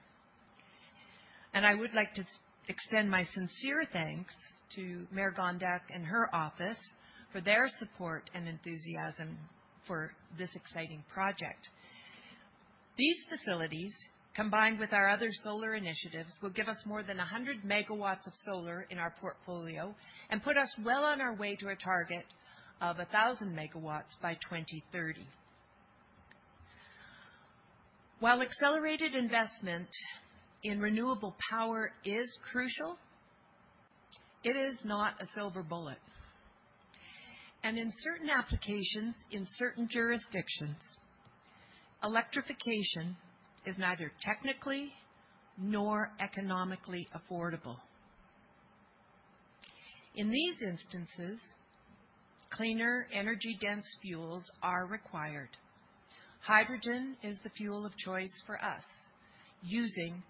I would like to extend my sincere thanks to Mayor Gondek and her office for their support and enthusiasm for this exciting project. These facilities, combined with our other solar initiatives, will give us more than 100 MW of solar in our portfolio and put us well on our way to a target of 1,000 MW by 2030. While accelerated investment in renewable power is crucial, it is not a silver bullet. In certain applications, in certain jurisdictions, electrification is neither technically nor economically affordable. In these instances, cleaner energy-dense fuels are required. Hydrogen is the fuel of choice for us, using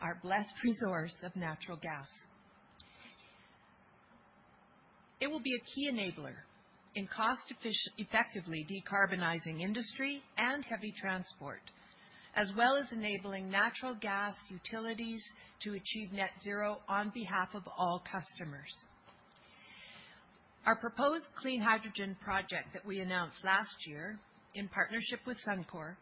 our blessed resource of natural gas. It will be a key enabler in cost effectively decarbonizing industry and heavy transport, as well as enabling natural gas utilities to achieve net zero on behalf of all customers. Our proposed clean hydrogen project that we announced last year in partnership with Suncor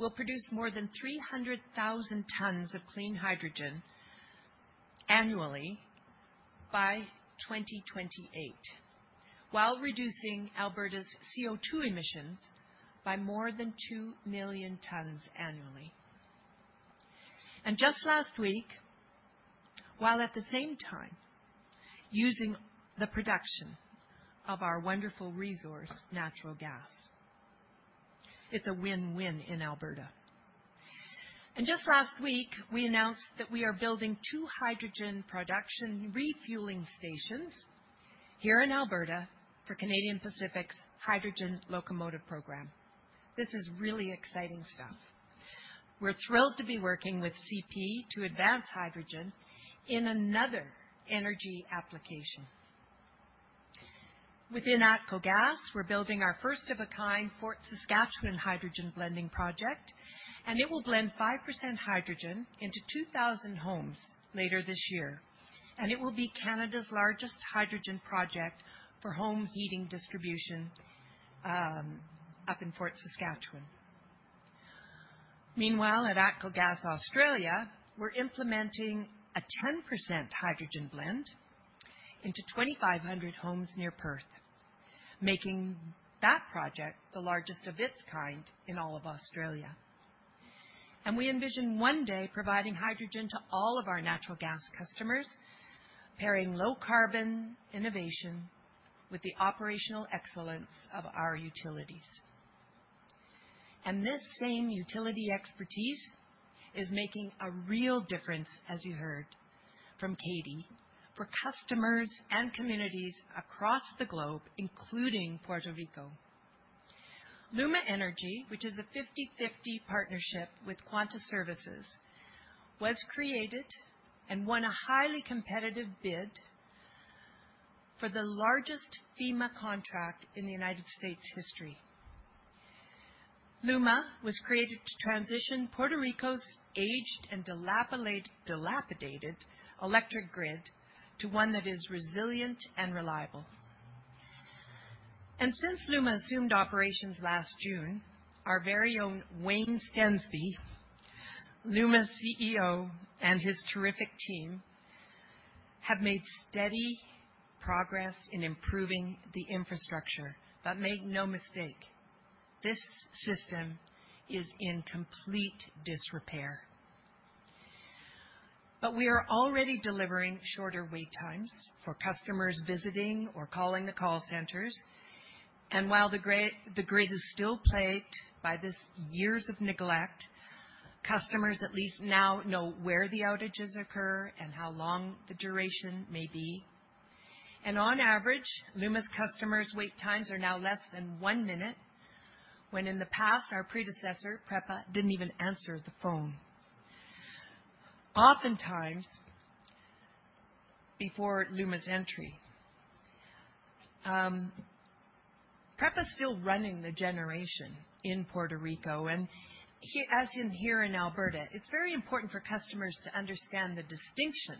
will produce more than 300,000 tons of clean hydrogen annually by 2028 while reducing Alberta's CO2 emissions by more than two million tons annually. While at the same time using the production of our wonderful resource, natural gas. It's a win-win in Alberta. Just last week, we announced that we are building two hydrogen production refueling stations here in Alberta for Canadian Pacific's hydrogen locomotive program. This is really exciting stuff. We're thrilled to be working with CP to advance hydrogen in another energy application. Within ATCO Gas, we're building our first of a kind Fort Saskatchewan hydrogen blending project, and it will blend 5% hydrogen into 2,000 homes later this year. It will be Canada's largest hydrogen project for home heating distribution, up in Fort Saskatchewan. Meanwhile, at ATCO Gas Australia, we're implementing a 10% hydrogen blend into 2,500 homes near Perth, making that project the largest of its kind in all of Australia. We envision one day providing hydrogen to all of our natural gas customers, pairing low-carbon innovation with the operational excellence of our utilities. This same utility expertise is making a real difference, as you heard from Katie, for customers and communities across the globe, including Puerto Rico. LUMA Energy, which is a 50/50 partnership with Quanta Services, was created and won a highly competitive bid for the largest FEMA contract in the United States history. LUMA was created to transition Puerto Rico's aged and dilapidated electric grid to one that is resilient and reliable. Since LUMA assumed operations last June, our very own Wayne Stensby, LUMA's CEO, and his terrific team have made steady progress in improving the infrastructure. Make no mistake, this system is in complete disrepair. We are already delivering shorter wait times for customers visiting or calling the call centers. While the grid is still plagued by these years of neglect, customers at least now know where the outages occur and how long the duration may be. On average, LUMA's customers' wait times are now less than one minute, when in the past, our predecessor, PREPA, didn't even answer the phone. Oftentimes, before LUMA's entry, PREPA is still running the generation in Puerto Rico. As in here in Alberta, it's very important for customers to understand the distinction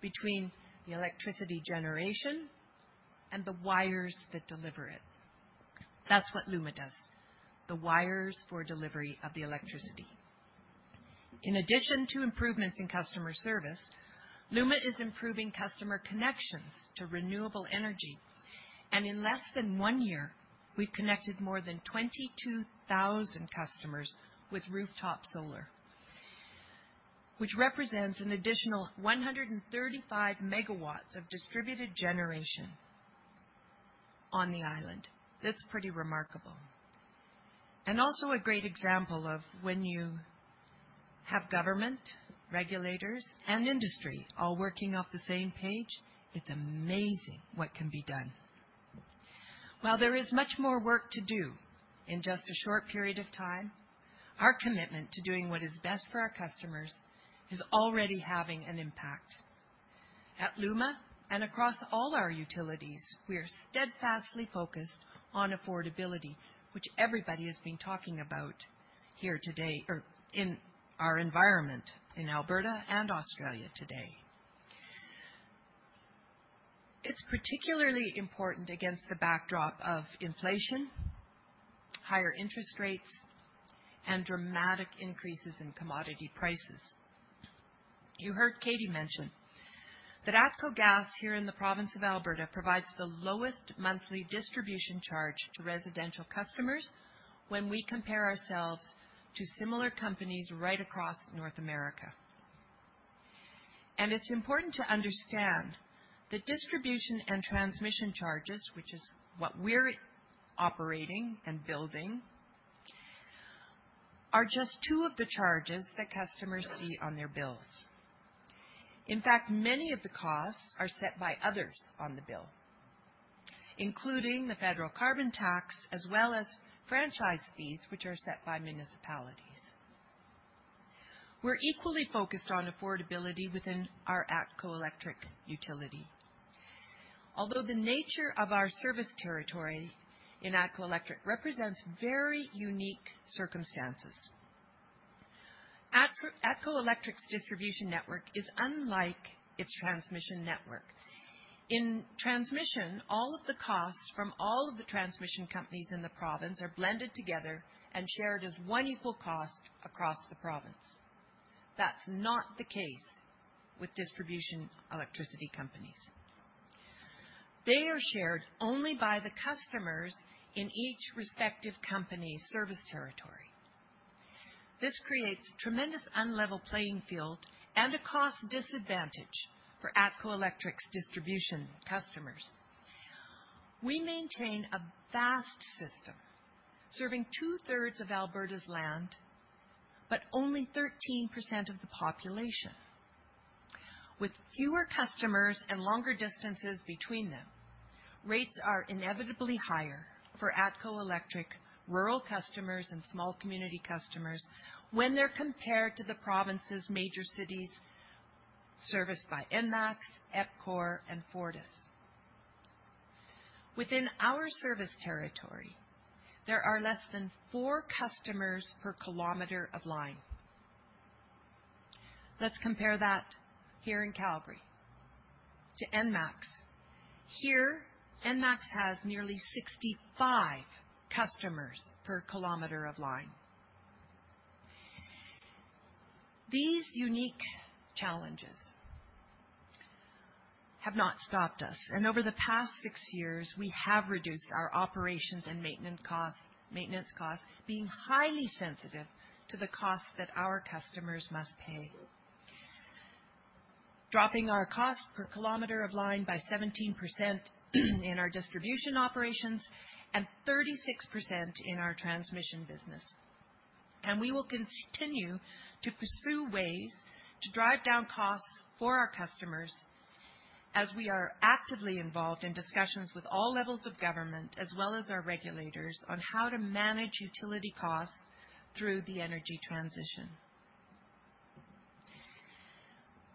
between the electricity generation and the wires that deliver it. That's what LUMA does, the wires for delivery of the electricity. In addition to improvements in customer service, LUMA is improving customer connections to renewable energy. In less than one year, we've connected more than 22,000 customers with rooftop solar, which represents an additional 135 MW of distributed generation on the island. That's pretty remarkable and also a great example of when you have government, regulators, and industry all working off the same page, it's amazing what can be done. While there is much more work to do in just a short period of time, our commitment to doing what is best for our customers is already having an impact. At LUMA and across all our utilities, we are steadfastly focused on affordability, which everybody has been talking about here today or in our environment in Alberta and Australia today. It's particularly important against the backdrop of inflation, higher interest rates, and dramatic increases in commodity prices. You heard Katie mention that ATCO Gas here in the province of Alberta provides the lowest monthly distribution charge to residential customers when we compare ourselves to similar companies right across North America. It's important to understand the distribution and transmission charges, which is what we're operating and building, are just two of the charges that customers see on their bills. In fact, many of the costs are set by others on the bill, including the federal carbon tax, as well as franchise fees, which are set by municipalities. We're equally focused on affordability within our ATCO Electric utility. Although the nature of our service territory in ATCO Electric represents very unique circumstances. ATCO Electric's distribution network is unlike its transmission network. In transmission, all of the costs from all of the transmission companies in the province are blended together and shared as one equal cost across the province. That's not the case with electricity distribution companies. They are shared only by the customers in each respective company's service territory. This creates tremendous uneven playing field and a cost disadvantage for ATCO Electric's distribution customers. We maintain a vast system serving 2/3 of Alberta's land, but only 13% of the population. With fewer customers and longer distances between them, rates are inevitably higher for ATCO Electric rural customers and small community customers when they're compared to the province's major cities serviced by ENMAX, EPCOR, and Fortis. Within our service territory, there are less than four customers per kilometer of line. Let's compare that here in Calgary to ENMAX. Here, ENMAX has nearly 65 customers per kilometer of line. These unique challenges have not stopped us, and over the past six years, we have reduced our operations and maintenance costs, maintenance costs being highly sensitive to the costs that our customers must pay. Dropping our cost per kilometer of line by 17% in our distribution operations and 36% in our transmission business. We will continue to pursue ways to drive down costs for our customers as we are actively involved in discussions with all levels of government as well as our regulators on how to manage utility costs through the energy transition.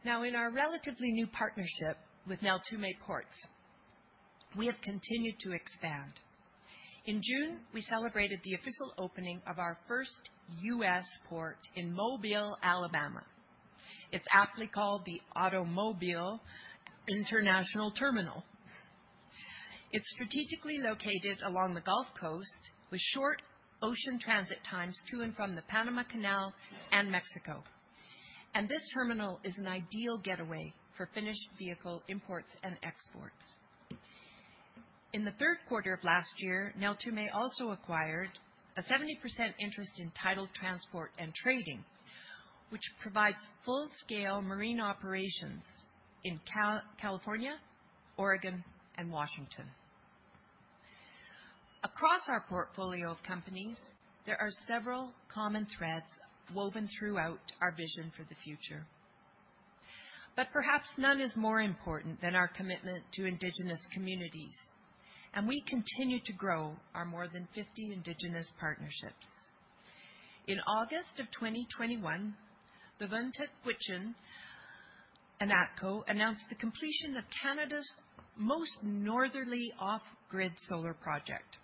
Now, in our relatively new partnership with Neltume Ports, we have continued to expand. In June, we celebrated the official opening of our first U.S. port in Mobile, Alabama. It's aptly called the AutoMOBILE International Terminal. It's strategically located along the Gulf Coast with short ocean transit times to and from the Panama Canal and Mexico. This terminal is an ideal getaway for finished vehicle imports and exports. In the third quarter of last year, Neltume also acquired a 70% interest in Tidal Transport & Trading, which provides full-scale marine operations in California, Oregon, and Washington. Across our portfolio of companies, there are several common threads woven throughout our vision for the future. Perhaps none is more important than our commitment to Indigenous communities, and we continue to grow our more than 50 Indigenous partnerships. In August of 2021, the Vuntut Gwitchin and ATCO announced the completion of Canada's most northerly off-grid solar project,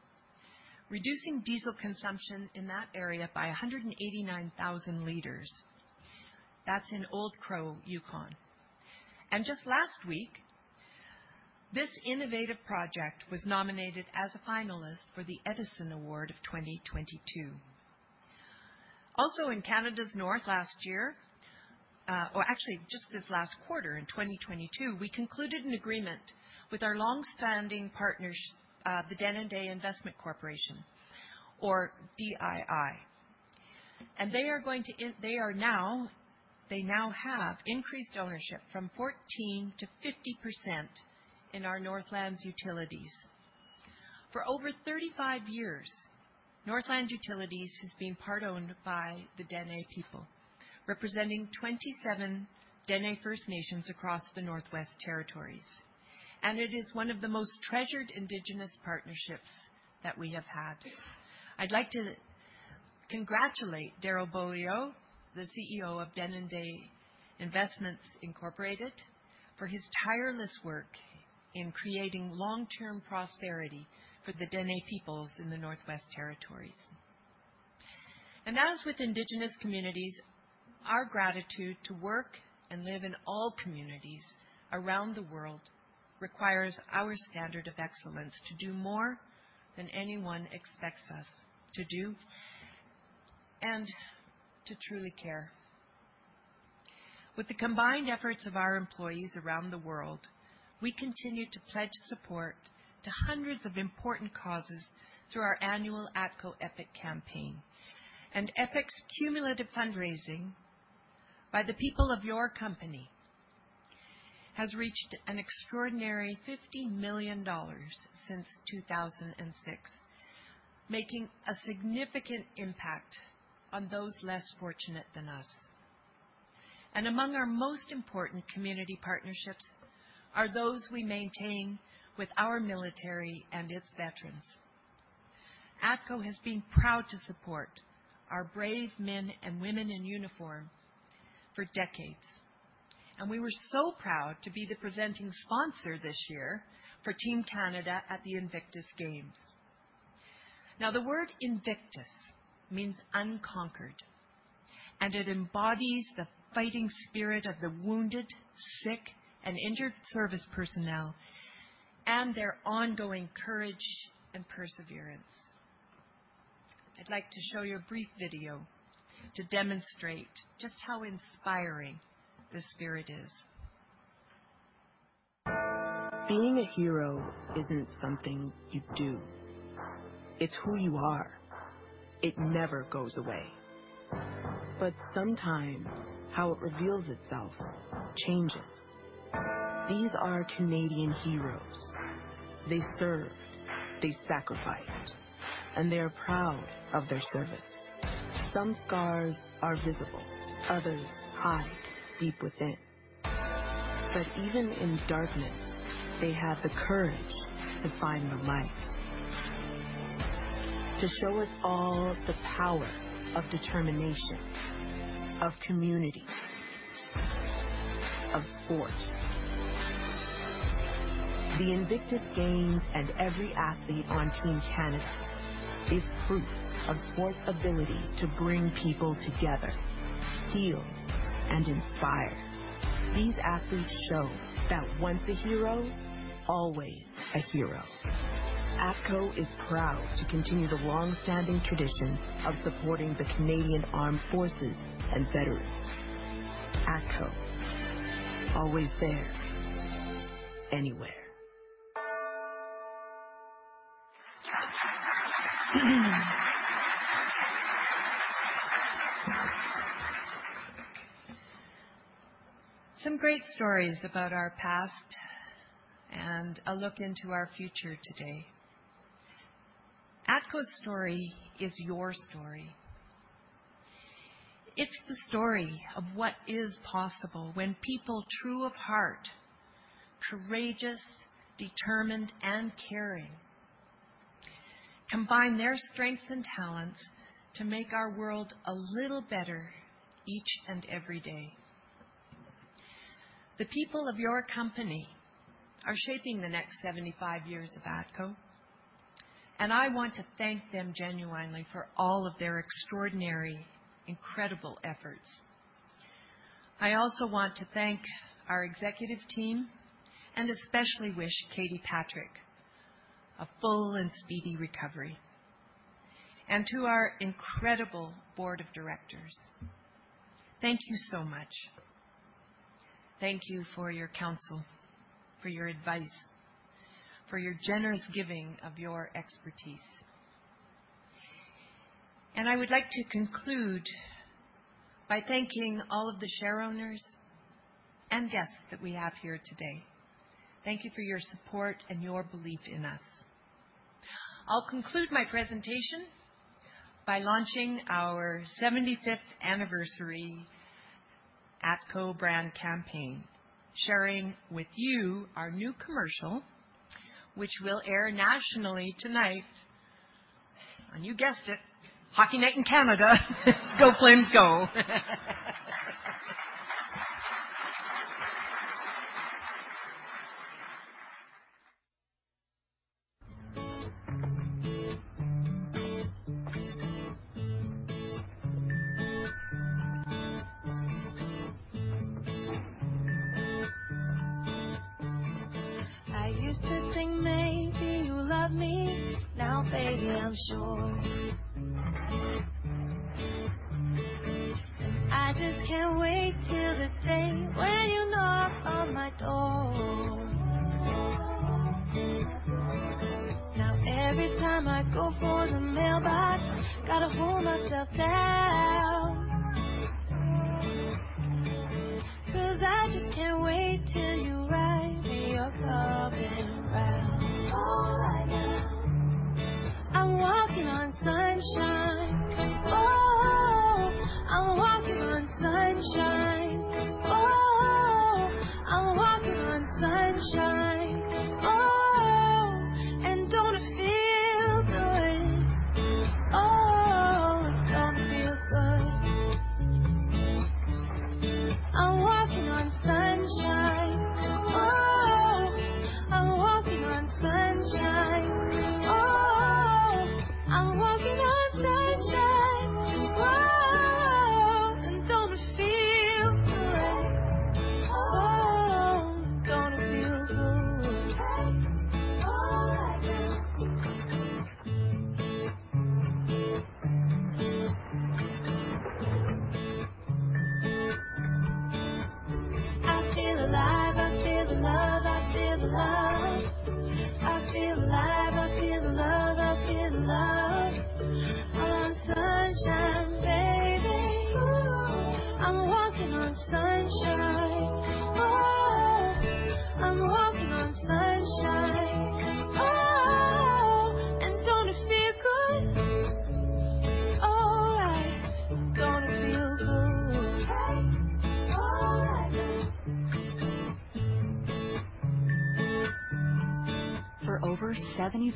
reducing diesel consumption in that area by 189,000 liters. That's in Old Crow, Yukon. Just last week, this innovative project was nominated as a finalist for the Edison Award of 2022. Also, in Canada's North last year, or actually just this last quarter in 2022, we concluded an agreement with our longstanding partners, the Denendeh Investments Incorporated or DII. They now have increased ownership from 14% to 50% in our Northland Utilities. For over 35 years, Northland Utilities has been part-owned by the Dene People, representing 27 Dene First Nations across the Northwest Territories. It is one of the most treasured Indigenous partnerships that we have had. I'd like to congratulate Darrell Beaulieu, the CEO of Denendeh Investments Incorporated, for his tireless work in creating long-term prosperity for the Dene peoples in the Northwest Territories. As with Indigenous communities, our gratitude to work and live in all communities around the world requires our standard of excellence to do more than anyone expects us to do and to truly care. With the combined efforts of our employees around the world, we continue to pledge support to hundreds of important causes through our annual ATCO EPIC campaign. EPIC's cumulative fundraising by the people of your company has reached an extraordinary 50 million dollars since 2006, making a significant impact on those less fortunate than us. Among our most important community partnerships are those we maintain with our military and its veterans. ATCO has been proud to support our brave men and women in uniform for decades, and we were so proud to be the presenting sponsor this year for Team Canada at the Invictus Games. Now, the word Invictus means unconquered, and it embodies the fighting spirit of the wounded, sick, and injured service personnel and their ongoing courage and perseverance. I'd like to show you a brief video to demonstrate just how inspiring this spirit is. Being a hero isn't something you do. It's who you are. It never goes away. Sometimes how it reveals itself changes. These are Canadian heroes. They served, they sacrificed, and they are proud of their service. Some scars are visible. Others hide deep within. Even in darkness, they have the courage to find the light. To show us all the power of determination, of community, of sport. The Invictus Games and every athlete on Team Canada is proof of sports' ability to bring people together, heal, and inspire. These athletes show that once a hero, always a hero. ATCO is proud to continue the long-standing tradition of supporting the Canadian Armed Forces and veterans. ATCO, always there, anywhere. Some great stories about our past and a look into our future today. ATCO's story is your story. It's the story of what is possible when people true of heart, courageous, determined, and caring combine their strengths and talents to make our world a little better each and every day. The people of your company are shaping the next 75 years of ATCO, and I want to thank them genuinely for all of their extraordinary, incredible efforts. I also want to thank our executive team, and especially wish Katie Patrick a full and speedy recovery. To our incredible board of directors, thank you so much. Thank you for your counsel, for your advice, for your generous giving of your expertise. I would like to conclude by thanking all of the share owners and guests that we have here today. Thank you for your support and your belief in us. I'll conclude my presentation by launching our seventy-fifth anniversary ATCO brand campaign, sharing with you our new commercial, which will air nationally tonight on, you guessed it, Hockey Night in Canada. Go Flames, Go. I used to think maybe you loved me. Now, baby, I'm sure. And I just can't wait till the day when you knock on my door. Now every time I go for the mailbox, gotta hold myself down. 'Cause I just can't wait till you write me a loving reply. All right now. I'm walking on sunshine. Whoa. I'm walking on sunshine. Whoa. I'm walking on sunshine. Whoa. And don't it feel good? Oh, don't it feel good. I'm walking on sunshine. Whoa. I'm walking on sunshine. Whoa. I'm walking on sunshine. Whoa. And don't it feel good? Oh, don't it feel good. Hey, all right now. I feel alive, I feel the love, I feel the love. I feel alive, I feel the love, I feel the love. On sunshine, baby. Ooh. I'm walking on sunshine. Whoa. I'm walking on sunshine. Whoa. Don't it feel good? All right. Don't it feel good. Hey, all right. For over 75 years,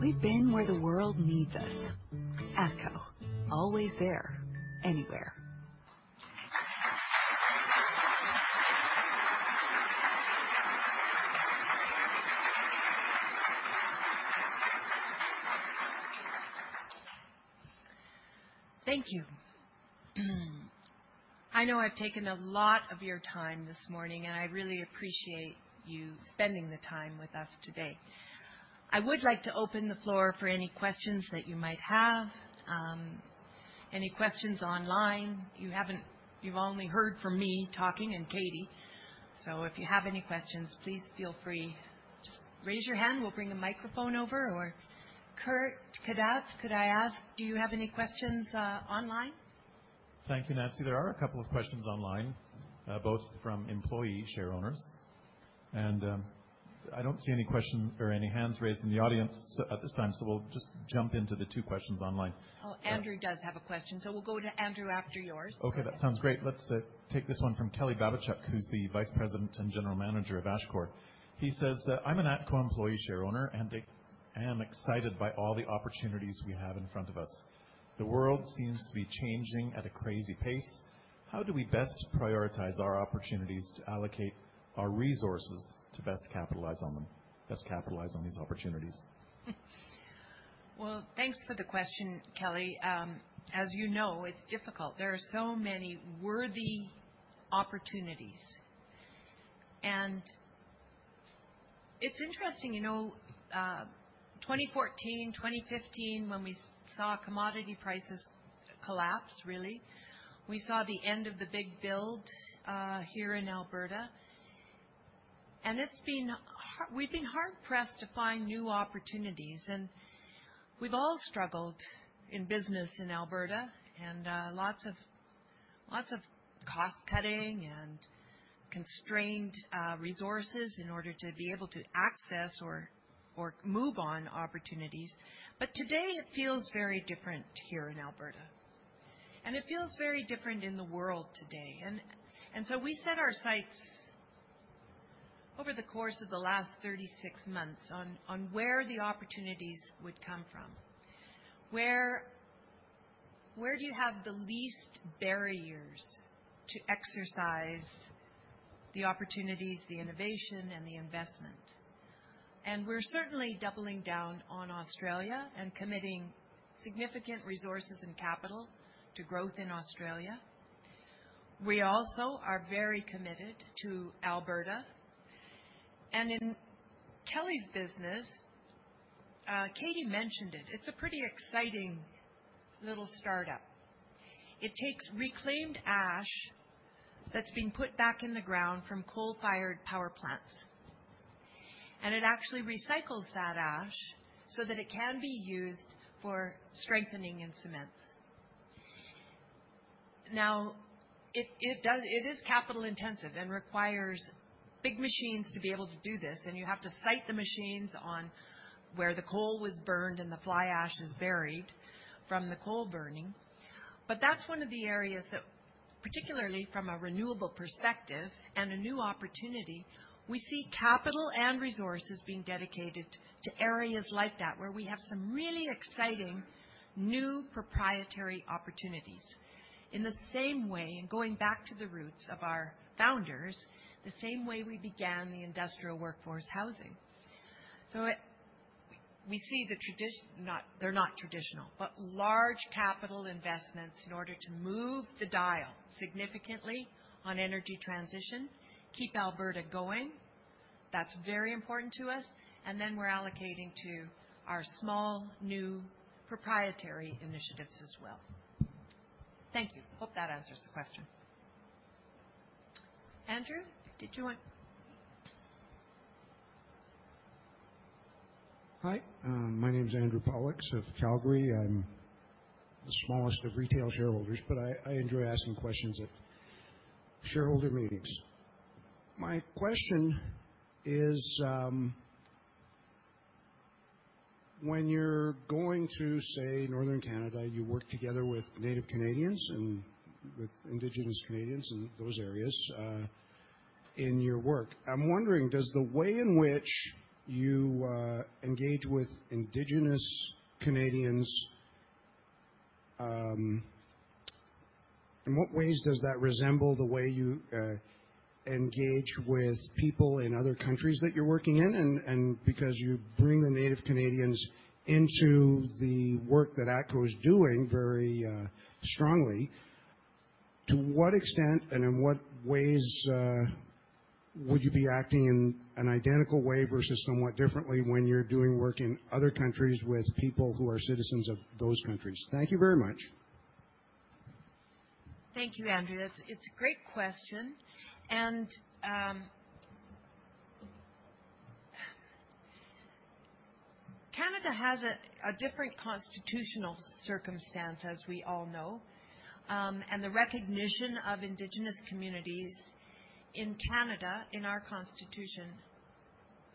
we've been where the world needs us. ATCO. Always there. Anywhere. Thank you. I know I've taken a lot of your time this morning, and I really appreciate you spending the time with us today. I would like to open the floor for any questions that you might have. Any questions online? You've only heard from me talking and Katie. So if you have any questions, please feel free. Just raise your hand, we'll bring the microphone over. Kurt Kadatz, could I ask, do you have any questions online? Thank you, Nancy. There are a couple of questions online, both from employee share owners. I don't see any question or any hands raised in the audience at this time, so we'll just jump into the two questions online. Oh, Andrew does have a question. We'll go to Andrew after yours. Okay, that sounds great. Let's take this one from Kelly Babichuk, who's the Vice President and General Manager of Ashcor. He says, "I'm an ATCO employee share owner, and I am excited by all the opportunities we have in front of us. The world seems to be changing at a crazy pace. How do we best prioritize our opportunities to allocate our resources to best capitalize on them, best capitalize on these opportunities? Well, thanks for the question, Kelly. As you know, it's difficult. There are so many worthy opportunities. It's interesting, you know, 2014, 2015, when we saw commodity prices collapse, really, we saw the end of the big build here in Alberta. It's been hard-pressed to find new opportunities, and we've all struggled in business in Alberta, and lots of cost-cutting and constrained resources in order to be able to access or move on opportunities. Today it feels very different here in Alberta. It feels very different in the world today. We set our sights over the course of the last 36 months on where the opportunities would come from. Where do you have the least barriers to exercise the opportunities, the innovation, and the investment? We're certainly doubling down on Australia and committing significant resources and capital to growth in Australia. We also are very committed to Alberta. In Kelly's business, Katie mentioned it. It's a pretty exciting little startup. It takes reclaimed ash that's been put back in the ground from coal-fired power plants. It actually recycles that ash so that it can be used for strengthening in cements. Now, it is capital-intensive and requires big machines to be able to do this. You have to site the machines on where the coal was burned and the fly ash is buried from the coal burning. That's one of the areas that, particularly from a renewable perspective and a new opportunity, we see capital and resources being dedicated to areas like that, where we have some really exciting new proprietary opportunities. In the same way, in going back to the roots of our founders, the same way we began the industrial workforce housing. We see they're not traditional, but large capital investments in order to move the dial significantly on energy transition, keep Alberta going. That's very important to us, and then we're allocating to our small, new proprietary initiatives as well. Thank you. Hope that answers the question. Andrew, did you want? Hi, my name is Andrew Pollux of Calgary. I'm the smallest of retail shareholders, but I enjoy asking questions at shareholder meetings. My question is, when you're going to, say, northern Canada, you work together with Native Canadians and with Indigenous Canadians in those areas, in your work. I'm wondering, does the way in which you engage with Indigenous Canadians. In what ways does that resemble the way you engage with people in other countries that you're working in? And because you bring the Native Canadians into the work that ATCO is doing very strongly, to what extent and in what ways would you be acting in an identical way versus somewhat differently when you're doing work in other countries with people who are citizens of those countries? Thank you very much. Thank you, Andrew. That's a great question. Canada has a different constitutional circumstance, as we all know, and the recognition of indigenous communities in Canada, in our Constitution.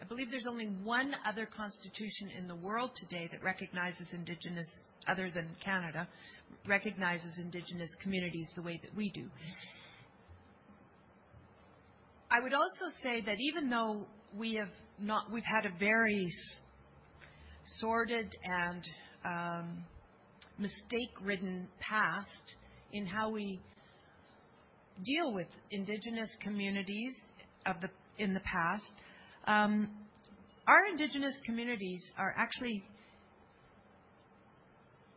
I believe there's only one other constitution in the world today that recognizes indigenous, other than Canada, recognizes indigenous communities the way that we do. I would also say that even though we've had a very sordid and mistake-ridden past in how we deal with indigenous communities in the past. Our indigenous communities are actually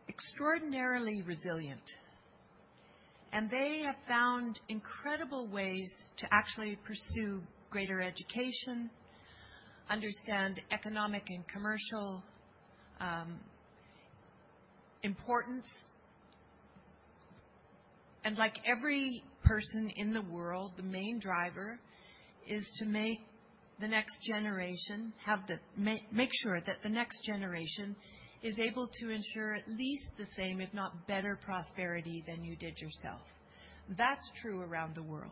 extraordinarily resilient, and they have found incredible ways to actually pursue greater education, understand economic and commercial importance. Like every person in the world, the main driver is to make the next generation have the Make sure that the next generation is able to ensure at least the same, if not better, prosperity than you did yourself. That's true around the world.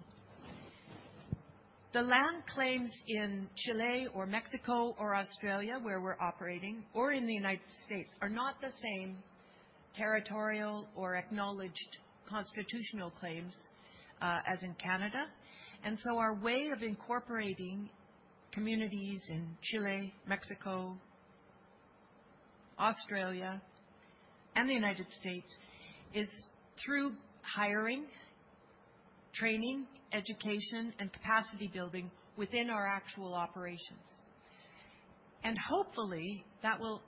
The land claims in Chile or Mexico or Australia, where we're operating, or in the United States, are not the same territorial or acknowledged constitutional claims as in Canada. Our way of incorporating communities in Chile, Mexico, Australia, and the United States is through hiring, training, education, and capacity building within our actual operations. Hopefully, that will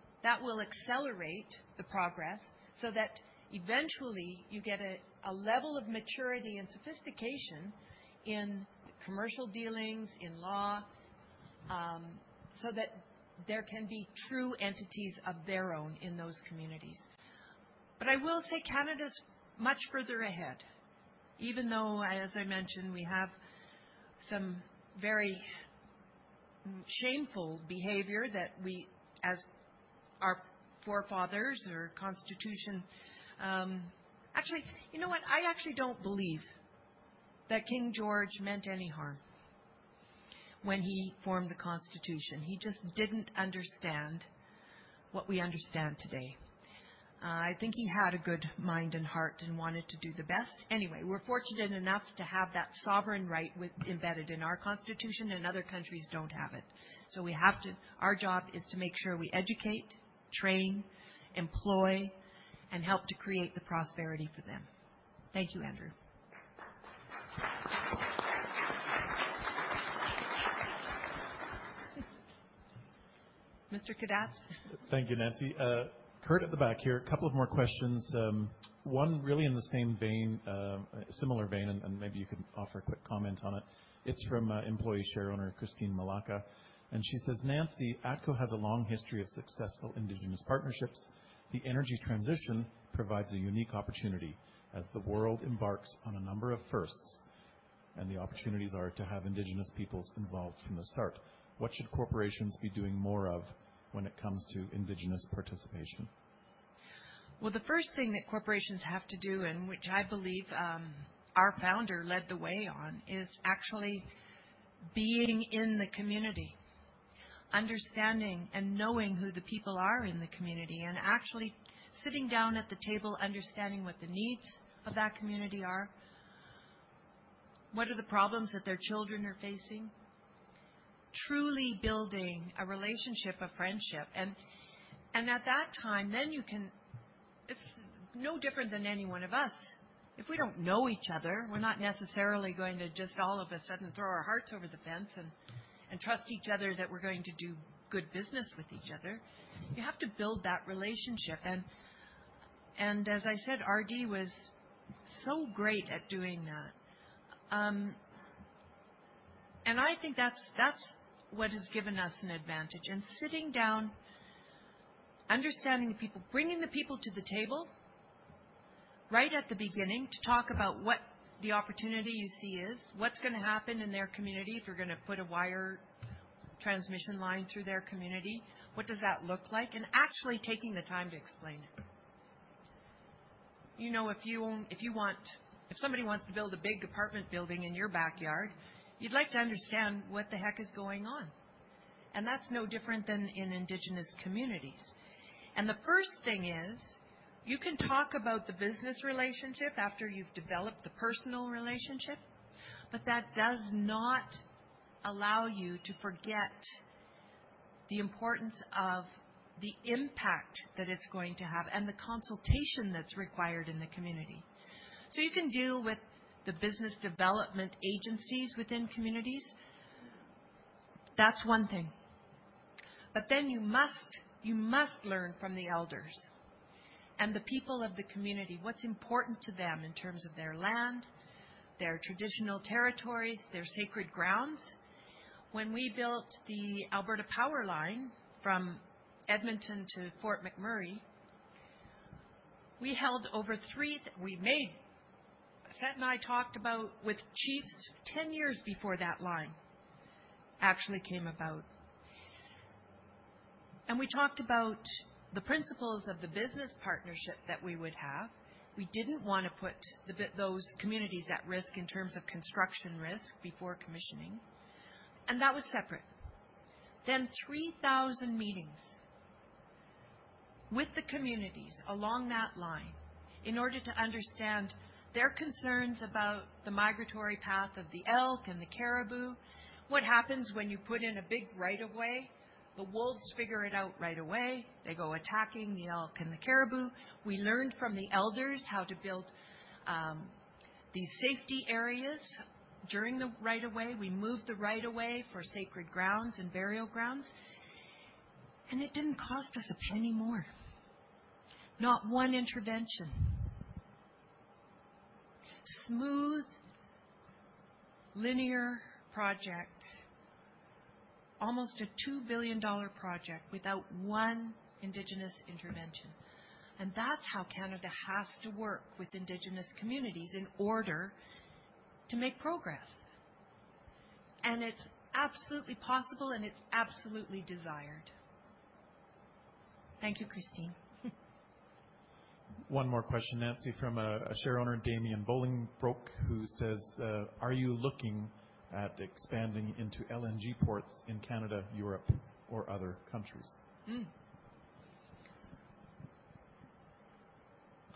accelerate the progress so that eventually you get a level of maturity and sophistication in commercial dealings, in law, so that there can be true entities of their own in those communities. I will say Canada's much further ahead, even though, as I mentioned, we have some very shameful behavior that we as our forefathers or constitution. Actually, you know what? I actually don't believe that King George meant any harm when he formed the Constitution. He just didn't understand what we understand today. I think he had a good mind and heart and wanted to do the best. Anyway, we're fortunate enough to have that sovereign right with embedded in our constitution, and other countries don't have it. We have to. Our job is to make sure we educate, train, employ, and help to create the prosperity for them. Thank you, Andrew. Mr. Kadatz. Thank you, Nancy. Kurt at the back here. A couple of more questions. One really in the same vein, similar vein, and maybe you could offer a quick comment on it. It's from employee shareowner Christine Malaka, and she says, "Nancy, ATCO has a long history of successful indigenous partnerships. The energy transition provides a unique opportunity as the world embarks on a number of firsts, and the opportunities are to have indigenous peoples involved from the start. What should corporations be doing more of when it comes to indigenous participation? Well, the first thing that corporations have to do, and which I believe our founder led the way on, is actually being in the community. Understanding and knowing who the people are in the community, and actually sitting down at the table, understanding what the needs of that community are. What are the problems that their children are facing? Truly building a relationship, a friendship. At that time. It's no different than any one of us. If we don't know each other, we're not necessarily going to just all of a sudden throw our hearts over the fence and trust each other that we're going to do good business with each other. You have to build that relationship. As I said, RD was so great at doing that. I think that's what has given us an advantage. Sitting down, understanding the people, bringing the people to the table right at the beginning to talk about what the opportunity you see is, what's gonna happen in their community if you're gonna put a wire transmission line through their community, what does that look like? Actually taking the time to explain it. You know, if somebody wants to build a big apartment building in your backyard, you'd like to understand what the heck is going on. That's no different than in Indigenous communities. The first thing is, you can talk about the business relationship after you've developed the personal relationship, but that does not allow you to forget the importance of the impact that it's going to have and the consultation that's required in the community. You can deal with the business development agencies within communities. That's one thing. You must learn from the elders and the people of the community, what's important to them in terms of their land, their traditional territories, their sacred grounds. When we built the Alberta PowerLine from Edmonton to Fort McMurray, Seth and I talked about with chiefs 10 years before that line actually came about. We talked about the principles of the business partnership that we would have. We didn't wanna put those communities at risk in terms of construction risk before commissioning, and that was separate. Three thousand meetings with the communities along that line in order to understand their concerns about the migratory path of the elk and the caribou. What happens when you put in a big right of way? The wolves figure it out right away. They go attacking the elk and the caribou. We learned from the elders how to build these safety areas during the right of way. We moved the right of way for sacred grounds and burial grounds, and it didn't cost us a penny more. Not one intervention. Smooth, linear project. Almost a 2 billion dollar project without one Indigenous intervention. That's how Canada has to work with Indigenous communities in order to make progress. It's absolutely possible, and it's absolutely desired. Thank you, Christine Malaka. One more question, Nancy, from a shareowner, Damien Bullingbroke, who says, "Are you looking at expanding into LNG ports in Canada, Europe, or other countries?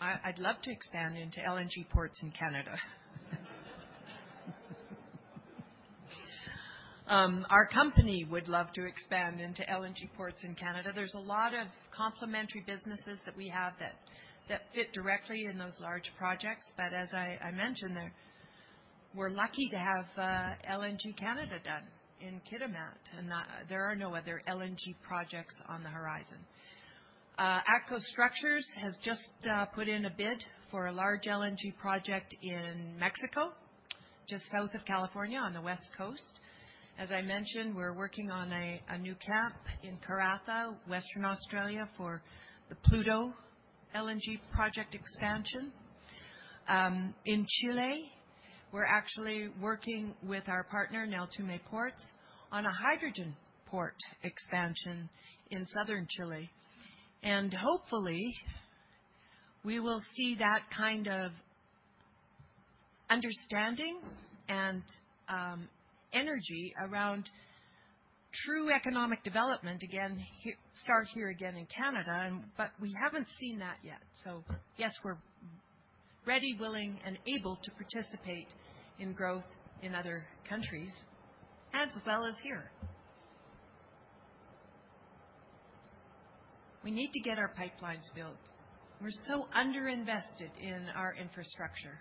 I'd love to expand into LNG ports in Canada. Our company would love to expand into LNG ports in Canada. There's a lot of complementary businesses that we have that fit directly in those large projects. As I mentioned there, we're lucky to have LNG Canada done in Kitimat, and there are no other LNG projects on the horizon. ATCO Structures has just put in a bid for a large LNG project in Mexico, just south of California on the West Coast. As I mentioned, we're working on a new camp in Karratha, Western Australia, for the Pluto LNG project expansion. In Chile, we're actually working with our partner in Neltume Ports on a hydrogen port expansion in southern Chile. Hopefully, we will see that kind of understanding and energy around true economic development again here in Canada, but we haven't seen that yet. Yes, we're ready, willing, and able to participate in growth in other countries as well as here. We need to get our pipelines built. We're so underinvested in our infrastructure.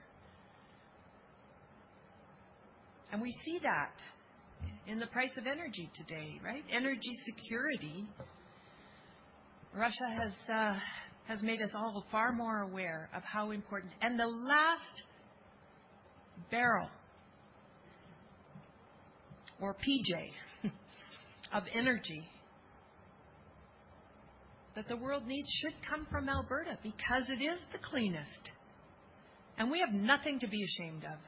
We see that in the price of energy today, right? Energy security. Russia has made us all far more aware of how important. The last barrel or PJ of energy that the world needs should come from Alberta because it is the cleanest, and we have nothing to be ashamed of.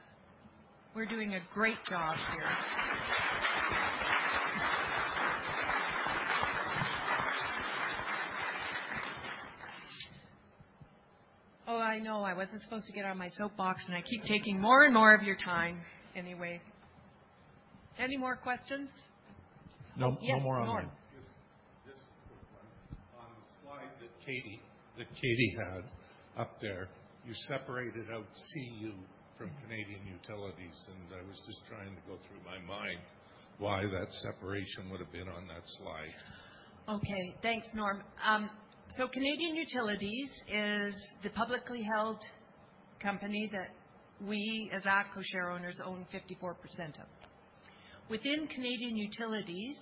We're doing a great job here. Oh, I know. I wasn't supposed to get on my soapbox, and I keep taking more and more of your time, anyway. Any more questions? No, no more online. Yes, Norm. Just a quick one. On the slide that Katie had up there, you separated out CU from Canadian Utilities, and I was just trying to go through my mind why that separation would have been on that slide. Okay, thanks, Norm. Canadian Utilities is the publicly held company that we, as ATCO share owners, own 54% of. Within Canadian Utilities,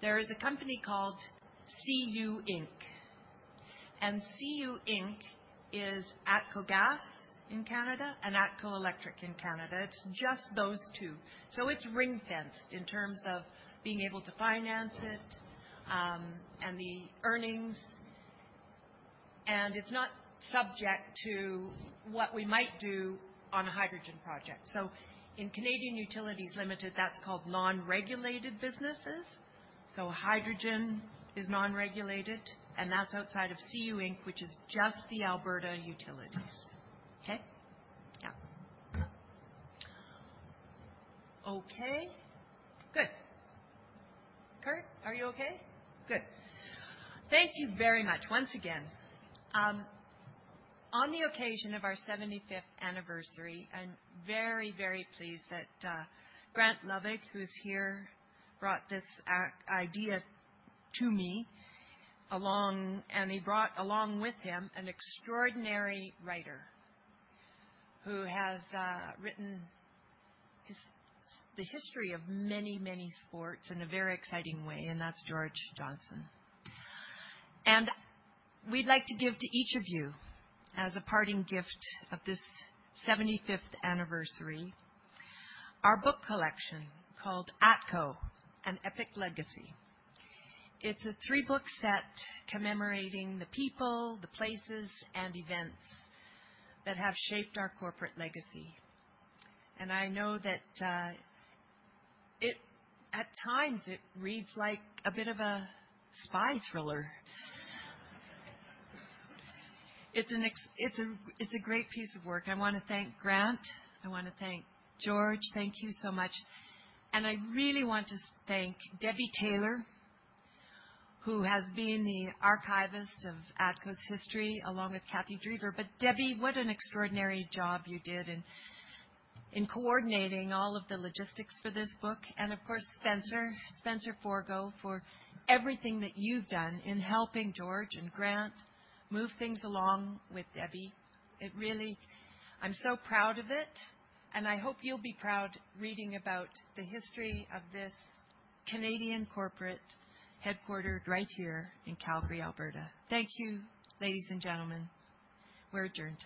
there is a company called CU Inc. CU Inc is ATCO Gas in Canada and ATCO Electric in Canada. It's just those two. It's ring-fenced in terms of being able to finance it, and the earnings. It's not subject to what we might do on a hydrogen project. In Canadian Utilities Limited, that's called non-regulated businesses. Hydrogen is non-regulated, and that's outside of CU Inc, which is just the Alberta Utilities. Okay? Yeah. Okay. Good. Kurt, are you okay? Good. Thank you very much once again. On the occasion of our 75th anniversary, I'm very, very pleased that Grant Lovig, who's here, brought this idea to me. He brought along with him an extraordinary writer who has written the history of many, many sports in a very exciting way, and that's George Johnson. We'd like to give to each of you as a parting gift of this 75th anniversary, our book collection called ATCO: An Epic Legacy. It's a three-book set commemorating the people, the places, and events that have shaped our corporate legacy. I know that it at times reads like a bit of a spy thriller. It's a great piece of work. I wanna thank Grant. I wanna thank George. Thank you so much. I really want to thank Debbie Taylor, who has been the archivist of ATCO's history, along with Kathy Drever. Debbie, what an extraordinary job you did in coordinating all of the logistics for this book. Of course, Spencer Forgo, for everything that you've done in helping George and Grant move things along with Debbie. It really, I'm so proud of it, and I hope you'll be proud reading about the history of this Canadian corporate, headquartered right here in Calgary, Alberta. Thank you, ladies and gentlemen. We're adjourned.